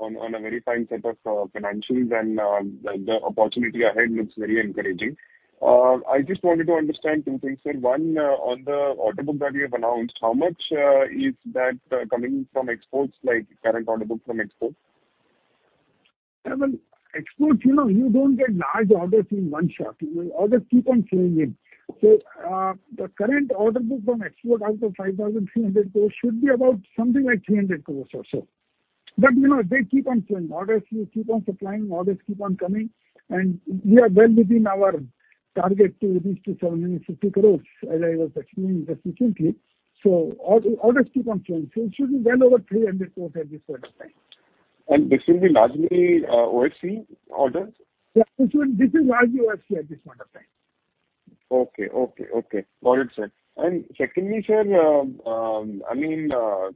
on a very fine set of financials and the opportunity ahead looks very encouraging. I just wanted to understand two things, sir. One, on the order book that you have announced, how much is that coming from exports, like current order book from exports? Yeah, well, exports, you know, you don't get large orders in one shot. Orders keep on flowing in. The current order book from export out of 5,300 crores should be about something like 300 crores or so. But, you know, they keep on flowing. Orders, we keep on supplying, orders keep on coming, and we are well within our target to reach 750 crores, as I was explaining just recently. Orders keep on flowing. It should be well over 300 crores at this point of time. This will be largely, OFC orders? Yeah. This is largely OFC at this point of time. Okay. Got it, sir. Secondly, sir, I mean,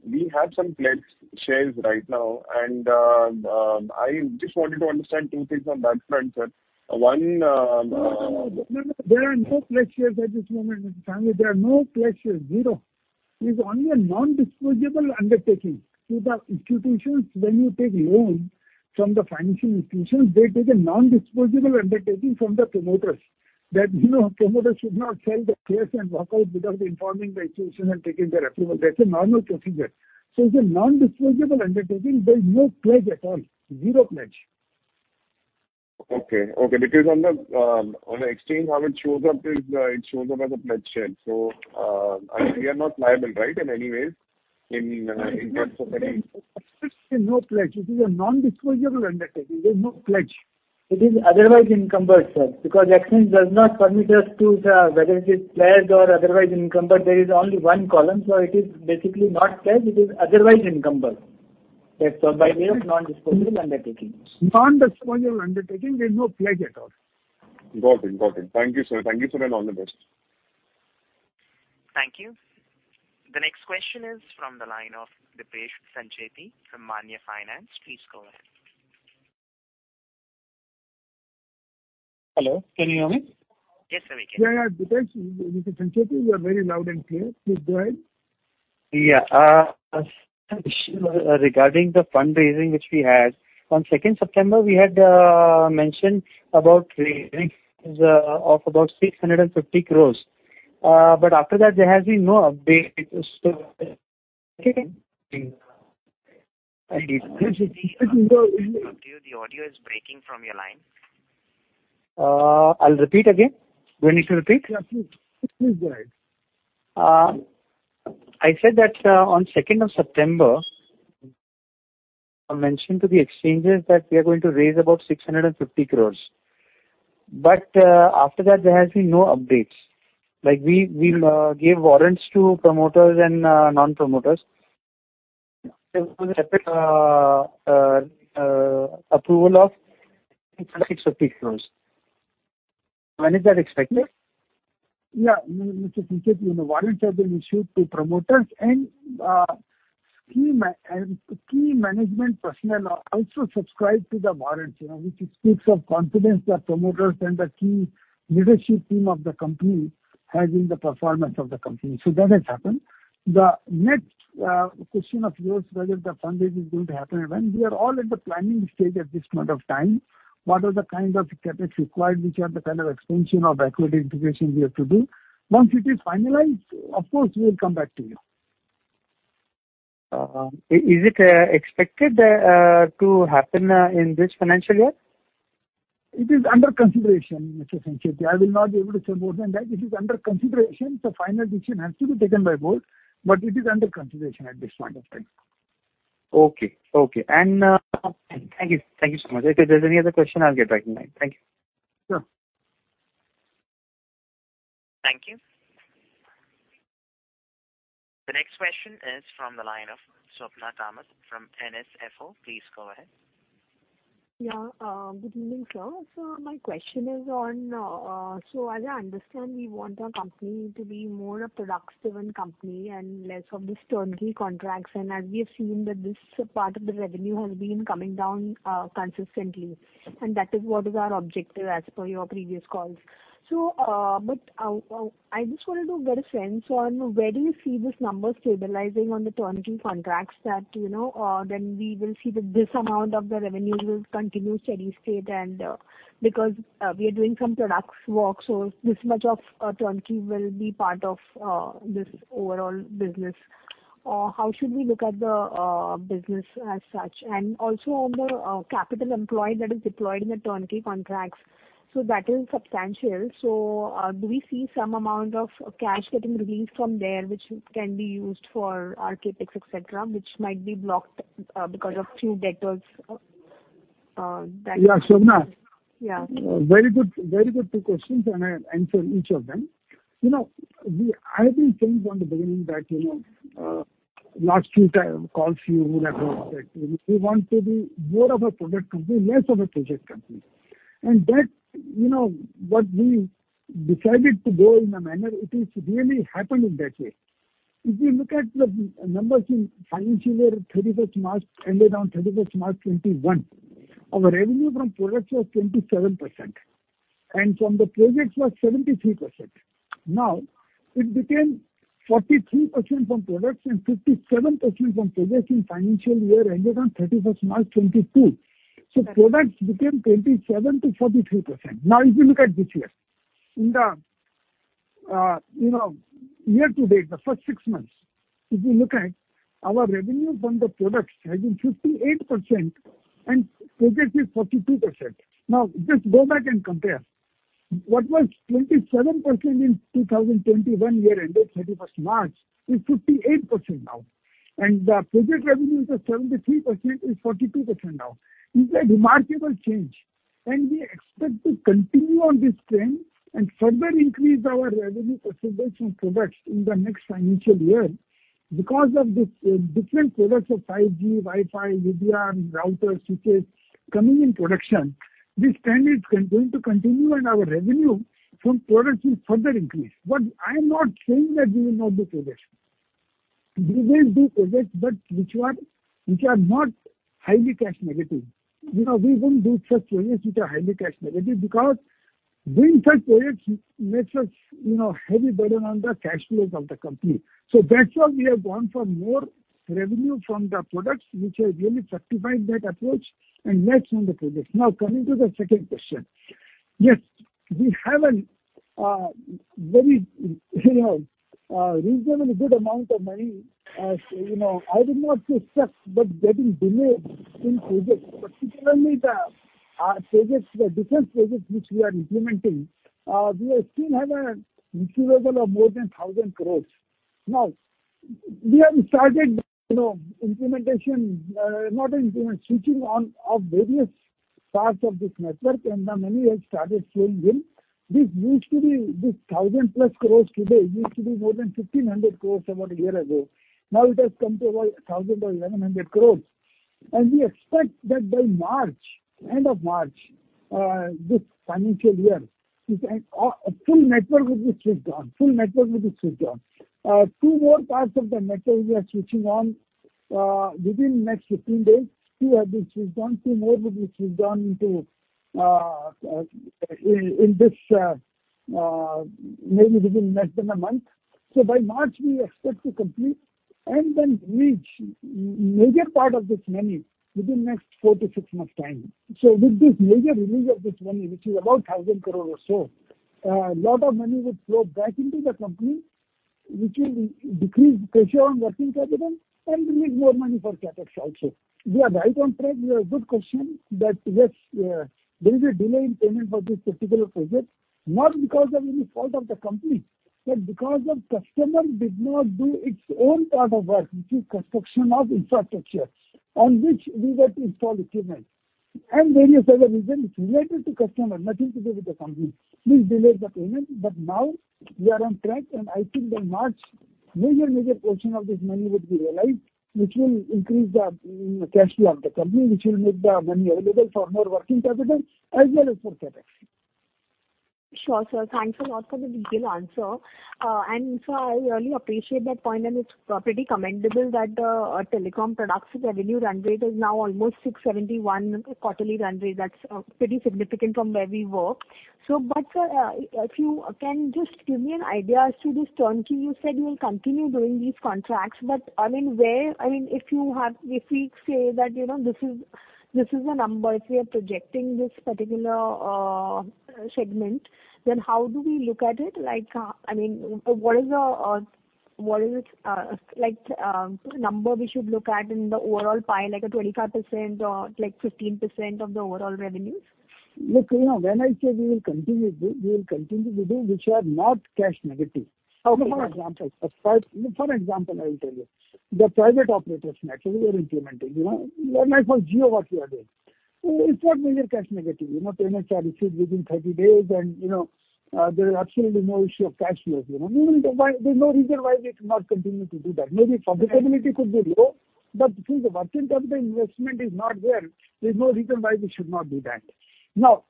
we have some pledged shares right now, and I just wanted to understand two things on that front, sir. One, No, no. There are no pledged shares at this moment, Mr. Sanghvi. There are no pledged shares, zero. It's only a non-disposable undertaking. See, the institutions, when you take loan from the financial institutions, they take a non-disposable undertaking from the promoters that, you know, promoters should not sell the shares and walk out without informing the institution and taking their approval. That's a normal procedure. It's a non-disposable undertaking. There's no pledge at all. Zero pledge. Okay. On the exchange, how it shows up is, it shows up as a pledged share. We are not liable, right, in any ways, in case of any- There is absolutely no pledge. It is a non-disposal undertaking. There's no pledge. It is otherwise encumbered, sir, because Exchange does not permit us to whether it is pledged or otherwise encumbered. There is only one column, so it is basically not pledged. It is otherwise encumbered, sir, by way of non-disposal undertaking. Non-disposal undertaking, there's no pledge at all. Got it. Thank you, sir, and all the best. Thank you. The next question is from the line of Dipesh Sancheti from Manya Finance. Please go ahead. Hello, can you hear me? Yes sir, we can. Yeah, yeah. Because Mr. Sancheti, you are very loud and clear. Please go ahead. Regarding the fundraising which we had on second September, we had mentioned about raising of about 650 crores. After that there has been no update. The audio is breaking from your line. I'll repeat again. Do I need to repeat? Yeah, please. Please go ahead. I said that on second of September, I mentioned to the exchanges that we are going to raise about 650 crore. After that there has been no updates. Like we gave warrants to promoters and non-promoters. Approval of INR 650 crore. When is that expected? Yeah. Mr. Sancheti, you know, warrants have been issued to promoters and key management personnel also subscribed to the warrants, you know, which speaks of confidence the promoters and the key leadership team of the company has in the performance of the company. That has happened. The next question of yours whether the fundraise is going to happen and when. We are all at the planning stage at this point of time. What are the kinds of CapEx required, which are the kind of expansion of equity integration we have to do. Once it is finalized, of course we will come back to you. Is it expected to happen in this financial year? It is under consideration, Mr. Sancheti. I will not be able to say more than that. It is under consideration. The final decision has to be taken by board, but it is under consideration at this point of time. Okay. Thank you. Thank you so much. If there's any other question, I'll get back in line. Thank you. Sure. Thank you. The next question is from the line of Swapna Kamath from NSFO. Please go ahead. Yeah. Good evening, sir. My question is on, so as I understand, we want our company to be more of a product company and less of this turnkey contracts. As we have seen that this part of the revenue has been coming down consistently, and that is what is our objective as per your previous calls. I just wanted to get a sense on where do you see this number stabilizing on the turnkey contracts that, you know, then we will see that this amount of the revenue will continue steady state and because we are doing some product work, so this much of turnkey will be part of this overall business. How should we look at the business as such? Also on the capital employed that is deployed in the turnkey contracts. That is substantial. Do we see some amount of cash getting released from there, which can be used for CapEx, etc., which might be blocked because of few debtors, that- Yeah, Swapna. Yeah. Very good two questions, and I'll answer each of them. You know, I have been saying from the beginning that, you know, last few calls you would have heard that we want to be more of a product company, less of a project company. That, you know, what we decided to go in a manner, it is really happened in that way. If you look at the numbers in financial year ended on 31 March 2021, our revenue from products was 27% and from the projects was 73%. Now, it became 43% from products and 57% from projects in financial year ended on 31 March 2022. Products became 27%-43%. Now, if you look at this year, in the year to date, the first six months, if you look at our revenues from the products has been 58% and projects is 42%. Now, just go back and compare. What was 27% in 2021 year ended 31st March is 58% now. The project revenues of 73% is 42% now. It's a remarkable change, and we expect to continue on this trend and further increase our revenue contribution from products in the next financial year. Because of this, different products of 5G, Wi-Fi, VPN, routers, switches coming in production, this trend is going to continue and our revenue from products will further increase. I am not saying that we will not do projects. We will do projects, but which are not highly cash negative. You know, we won't do such projects which are highly cash negative because doing such projects makes us, you know, heavy burden on the cash flows of the company. That's why we have gone for more revenue from the products which has really justified that approach, and less on the projects. Now, coming to the second question. Yes, we have a very, you know, reasonably good amount of money. I would not say stuck, but getting delayed in projects, particularly the different projects which we are implementing. We still have a receivable of more than 1,000 crores. Now, we have started, you know, switching on of various parts of this network, and the money has started flowing in.sixThis used to be this 1,000+ crores today used to be more than 1,500 crores about a year ago. Now it has come to about 1,000 crore or 1,100 crore. We expect that by March, end of March, this financial year, full network will be switched on. Two more parts of the network we are switching on within next 15 days. Two have been switched on, two more will be switched on too, maybe within less than a month. By March we expect to complete and then reach major part of this money within next four-six months' time. With this major release of this money, which is about 1,000 crore or so, a lot of money would flow back into the company, which will decrease pressure on working capital and release more money for CapEx also. We are right on track. We have a good question that, yes, there is a delay in payment for this particular project, not because of any fault of the company, but because the customer did not do its own part of work, which is construction of infrastructure on which we were to install equipment. Various other reasons related to the customer, nothing to do with the company, which delayed the payment. Now we are on track, and I think by March, major portion of this money would be realized, which will increase the cash flow of the company, which will make the money available for more working capital as well as for CapEx. Sure, sir. Thanks a lot for the detailed answer. I really appreciate that point, and it's pretty commendable that our telecom products revenue run rate is now almost 671 quarterly run rate. That's pretty significant from where we were. Sir, if you can just give me an idea as to this turnkey. You said you will continue doing these contracts, but I mean, where I mean, if you have—if we say that, you know, this is a number, if we are projecting this particular segment, then how do we look at it? Like, I mean, what is the what is it like number we should look at in the overall pie, like a 25% or like 15% of the overall revenues? Look, you know, when I say we will continue to do which are not cash negative. Okay. For example, I will tell you. The private operators network we are implementing, you know. Like for Jio what we are doing. It's not major cash negative. You know, payments are received within 30 days and, you know, there is absolutely no issue of cash flow, you know. There's no reason why we should not continue to do that. Maybe profitability could be low, but since the working capital investment is not there's no reason why we should not do that. Now,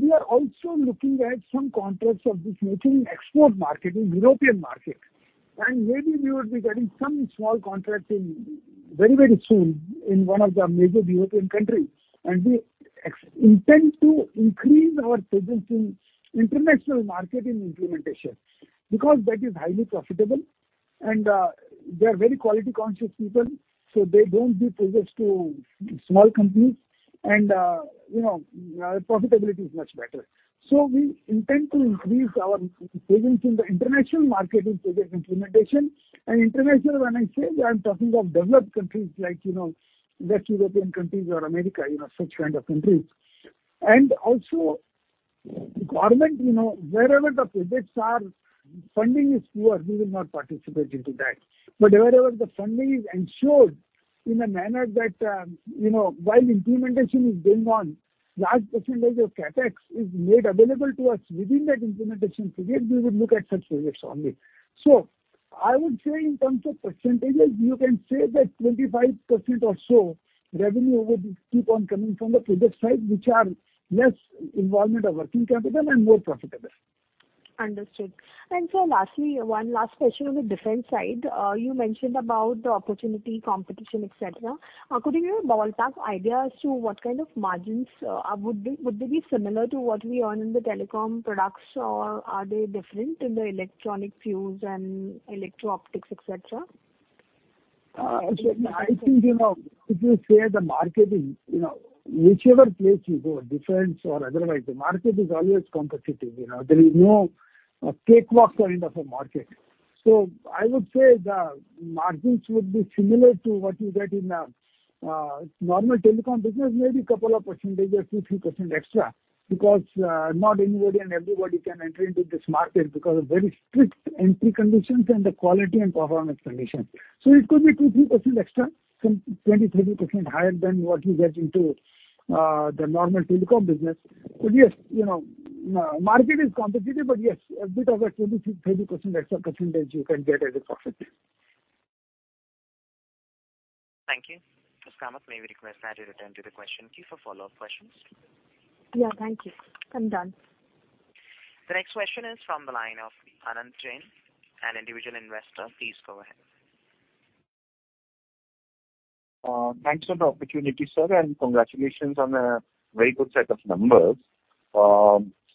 we are also looking at some contracts of this nature in export market, in European market. Maybe we will be getting some small contracts very soon in one of the major European countries. We intend to increase our presence in international market in implementation because that is highly profitable and, they are very quality conscious people, so they don't give projects to small companies and, you know, profitability is much better. We intend to increase our presence in the international market in project implementation. International, when I say, I'm talking of developed countries, like, you know, West European countries or America, you know, such kind of countries. Also government, you know, wherever the projects are, funding is poor, we will not participate into that. Wherever the funding is ensured in a manner that, you know, while implementation is going on, large percentage of CapEx is made available to us within that implementation period, we would look at such projects only. I would say in terms of percentages, you can say that 25% or so revenue would keep on coming from the project side, which are less involvement of working capital and more profitable. Understood. Sir, lastly, one last question on the defense side. You mentioned about the opportunity, competition, et cetera. Could you give a ballpark idea as to what kind of margins would they be similar to what we earn in the telecom products, or are they different in the electronic fuse and electro-optics, et cetera? I think, you know, if you say the margin, you know, whichever place you go, defense or otherwise, the market is always competitive. You know, there is no cakewalk kind of a market. I would say the margins would be similar to what you get in a normal telecom business, maybe couple of percentage or 2-3% extra because not anybody and everybody can enter into this market because of very strict entry conditions and the quality and performance conditions. It could be 2-3% extra, some 20-30% higher than what you get into the normal telecom business. Yes, you know, market is competitive, but yes, a bit of a 20%-30% extra percentage you can get as a profit. Thank you. Ms. Kamath, may we request that you return to the question queue for follow-up questions? Yeah, thank you. I'm done. The next question is from the line of Anant Jain, an Individual Investor. Please go ahead. Thanks for the opportunity, sir, and congratulations on a very good set of numbers.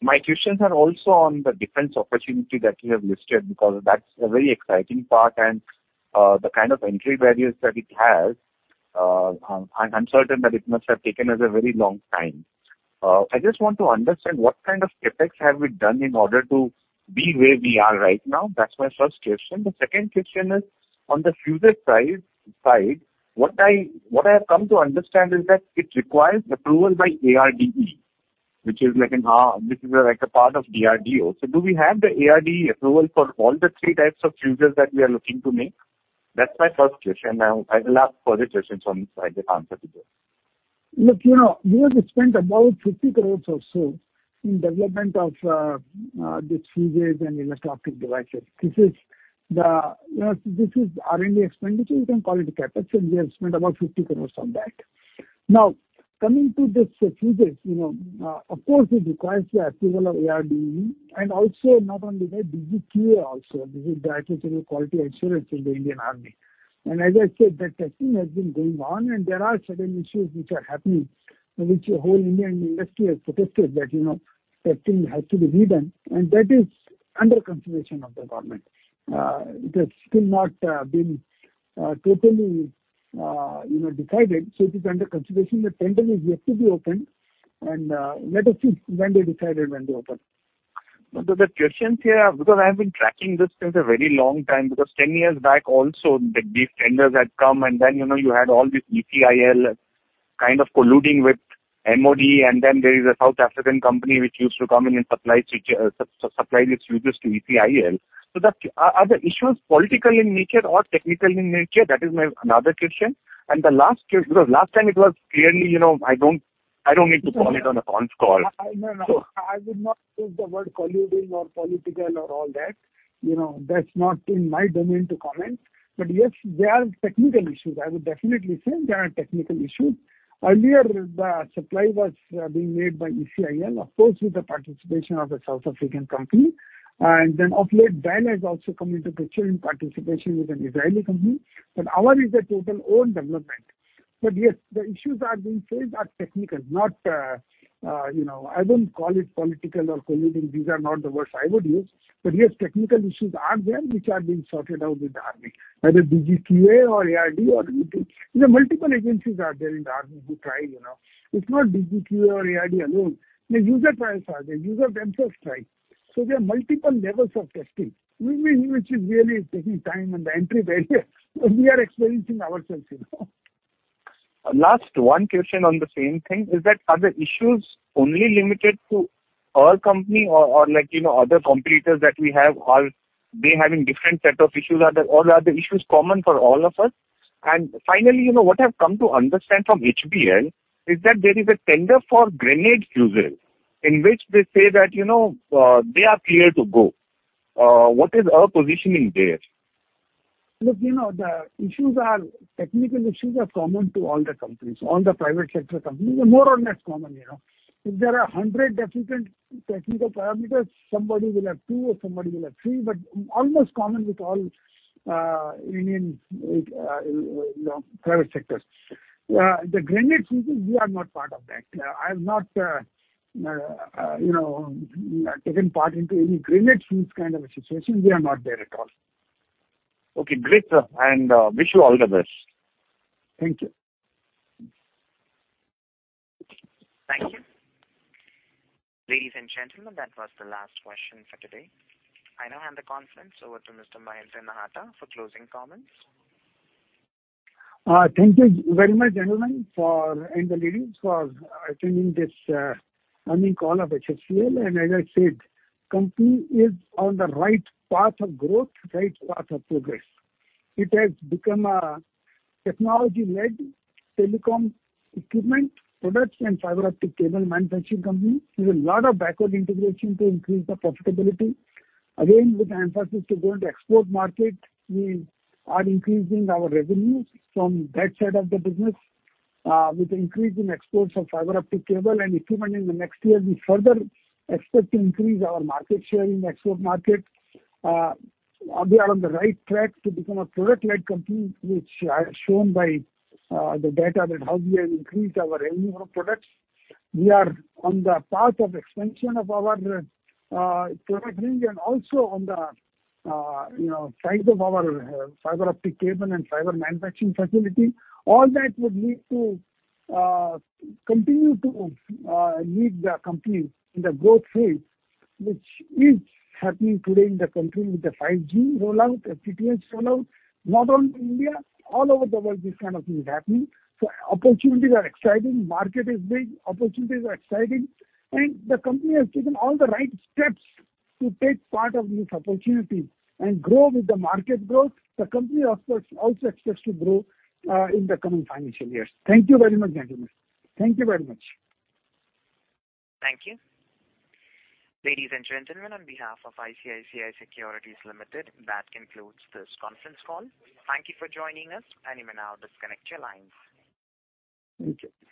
My questions are also on the defense opportunity that you have listed, because that's a very exciting part. The kind of entry barriers that it has. I'm certain that it must have taken you a very long time. I just want to understand what kind of CapEx have we done in order to be where we are right now? That's my first question. The second question is on the fuses price side. What I have come to understand is that it requires approval by ARDE, which is like a part of DRDO. Do we have the ARDE approval for all the three types of fuses that we are looking to make? That's my first question. Now I will ask further questions once I get answer to this. Look, you know, we have spent about 50 crores or so in development of these fuses and electro-optic devices. This is R&D expenditure, you can call it CapEx, and we have spent about 50 crores on that. Now, coming to this, fuses, you know, of course, it requires the approval of ARDE and also not only that, DGQA also. This is the Director General Quality Assurance in the Indian Army. As I said, the testing has been going on, and there are certain issues which are happening which the whole Indian industry has protested that, you know, that thing has to be redone, and that is under consideration of the government. It has still not been totally, you know, decided, so it is under consideration. The tender is yet to be opened and, let us see when they decide and when they open. The question here, because I have been tracking this since a very long time, because ten years back also, these tenders had come and then, you know, you had all these ECIL kind of colluding with MOD, and then there is a South African company which used to come in and supply these fuses to ECIL. Are the issues political in nature or technical in nature? That is my another question. Because last time it was clearly, you know, I don't need to call it on a con call. I would not use the word colluding or political or all that. You know, that's not in my domain to comment. Yes, there are technical issues. I would definitely say there are technical issues. Earlier, the supply was being made by ECIL, of course, with the participation of a South African company. Then of late, BEL has also come into picture in participation with an Israeli company. Our is a total own development. Yes, the issues that are being faced are technical, not you know. I won't call it political or colluding. These are not the words I would use. Yes, technical issues are there which are being sorted out with the army, whether DGQA or ARDE or anything. There are multiple agencies out there in the army who try, you know. It's not DGQA or ARDE alone. The user trials are there. Users themselves try. There are multiple levels of testing, which is really taking time and the entry barrier we are experiencing ourselves, you know. Last one question on the same thing is that, are the issues only limited to our company or like, you know, other competitors that we have, are they having different set of issues? Or are the issues common for all of us? Finally, you know, what I've come to understand from HBL is that there is a tender for grenade fuses in which they say that, you know, they are clear to go. What is our positioning there? Look, you know, the issues are, technical issues are common to all the companies, all the private sector companies. They're more or less common, you know. If there are 100 different technical parameters, somebody will have two or somebody will have three, but almost common with all, Indian, you know, private sectors. The grenade fuses, we are not part of that. I have not, you know, taken part into any grenade fuse kind of a situation. We are not there at all. Okay, great, sir, and wish you all the best. Thank you. Thank you. Ladies and gentlemen, that was the last question for today. I now hand the conference over to Mr. Mahendra Nahata for closing comments. Thank you very much, gentlemen, for, and the ladies for, attending this, earnings call of HFCL. As I said, company is on the right path of growth, right path of progress. It has become a technology-led telecom equipment, products and fiber optic cable manufacturing company with a lot of backward integration to increase the profitability. Again, with the emphasis to go into export market, we are increasing our revenues from that side of the business, with increase in exports of fiber optic cable and equipment. In the next year, we further expect to increase our market share in export market. We are on the right track to become a product-led company, which I have shown by, the data that how we have increased our revenue of products. We are on the path of expansion of our product range and also on the size of our fiber optic cable and fiber manufacturing facility. All that would lead to continue to lead the company in the growth phase, which is happening today in the company with the 5G rollout, the FTTH rollout. Not only India, all over the world this kind of thing is happening. Opportunities are exciting. Market is big. Opportunities are exciting. The company has taken all the right steps to take part of this opportunity and grow with the market growth. The company also expects to grow in the coming financial years. Thank you very much, gentlemen. Thank you very much. Thank you. Ladies and gentlemen, on behalf of ICICI Securities Limited, that concludes this conference call. Thank you for joining us. You may now disconnect your lines. Thank you.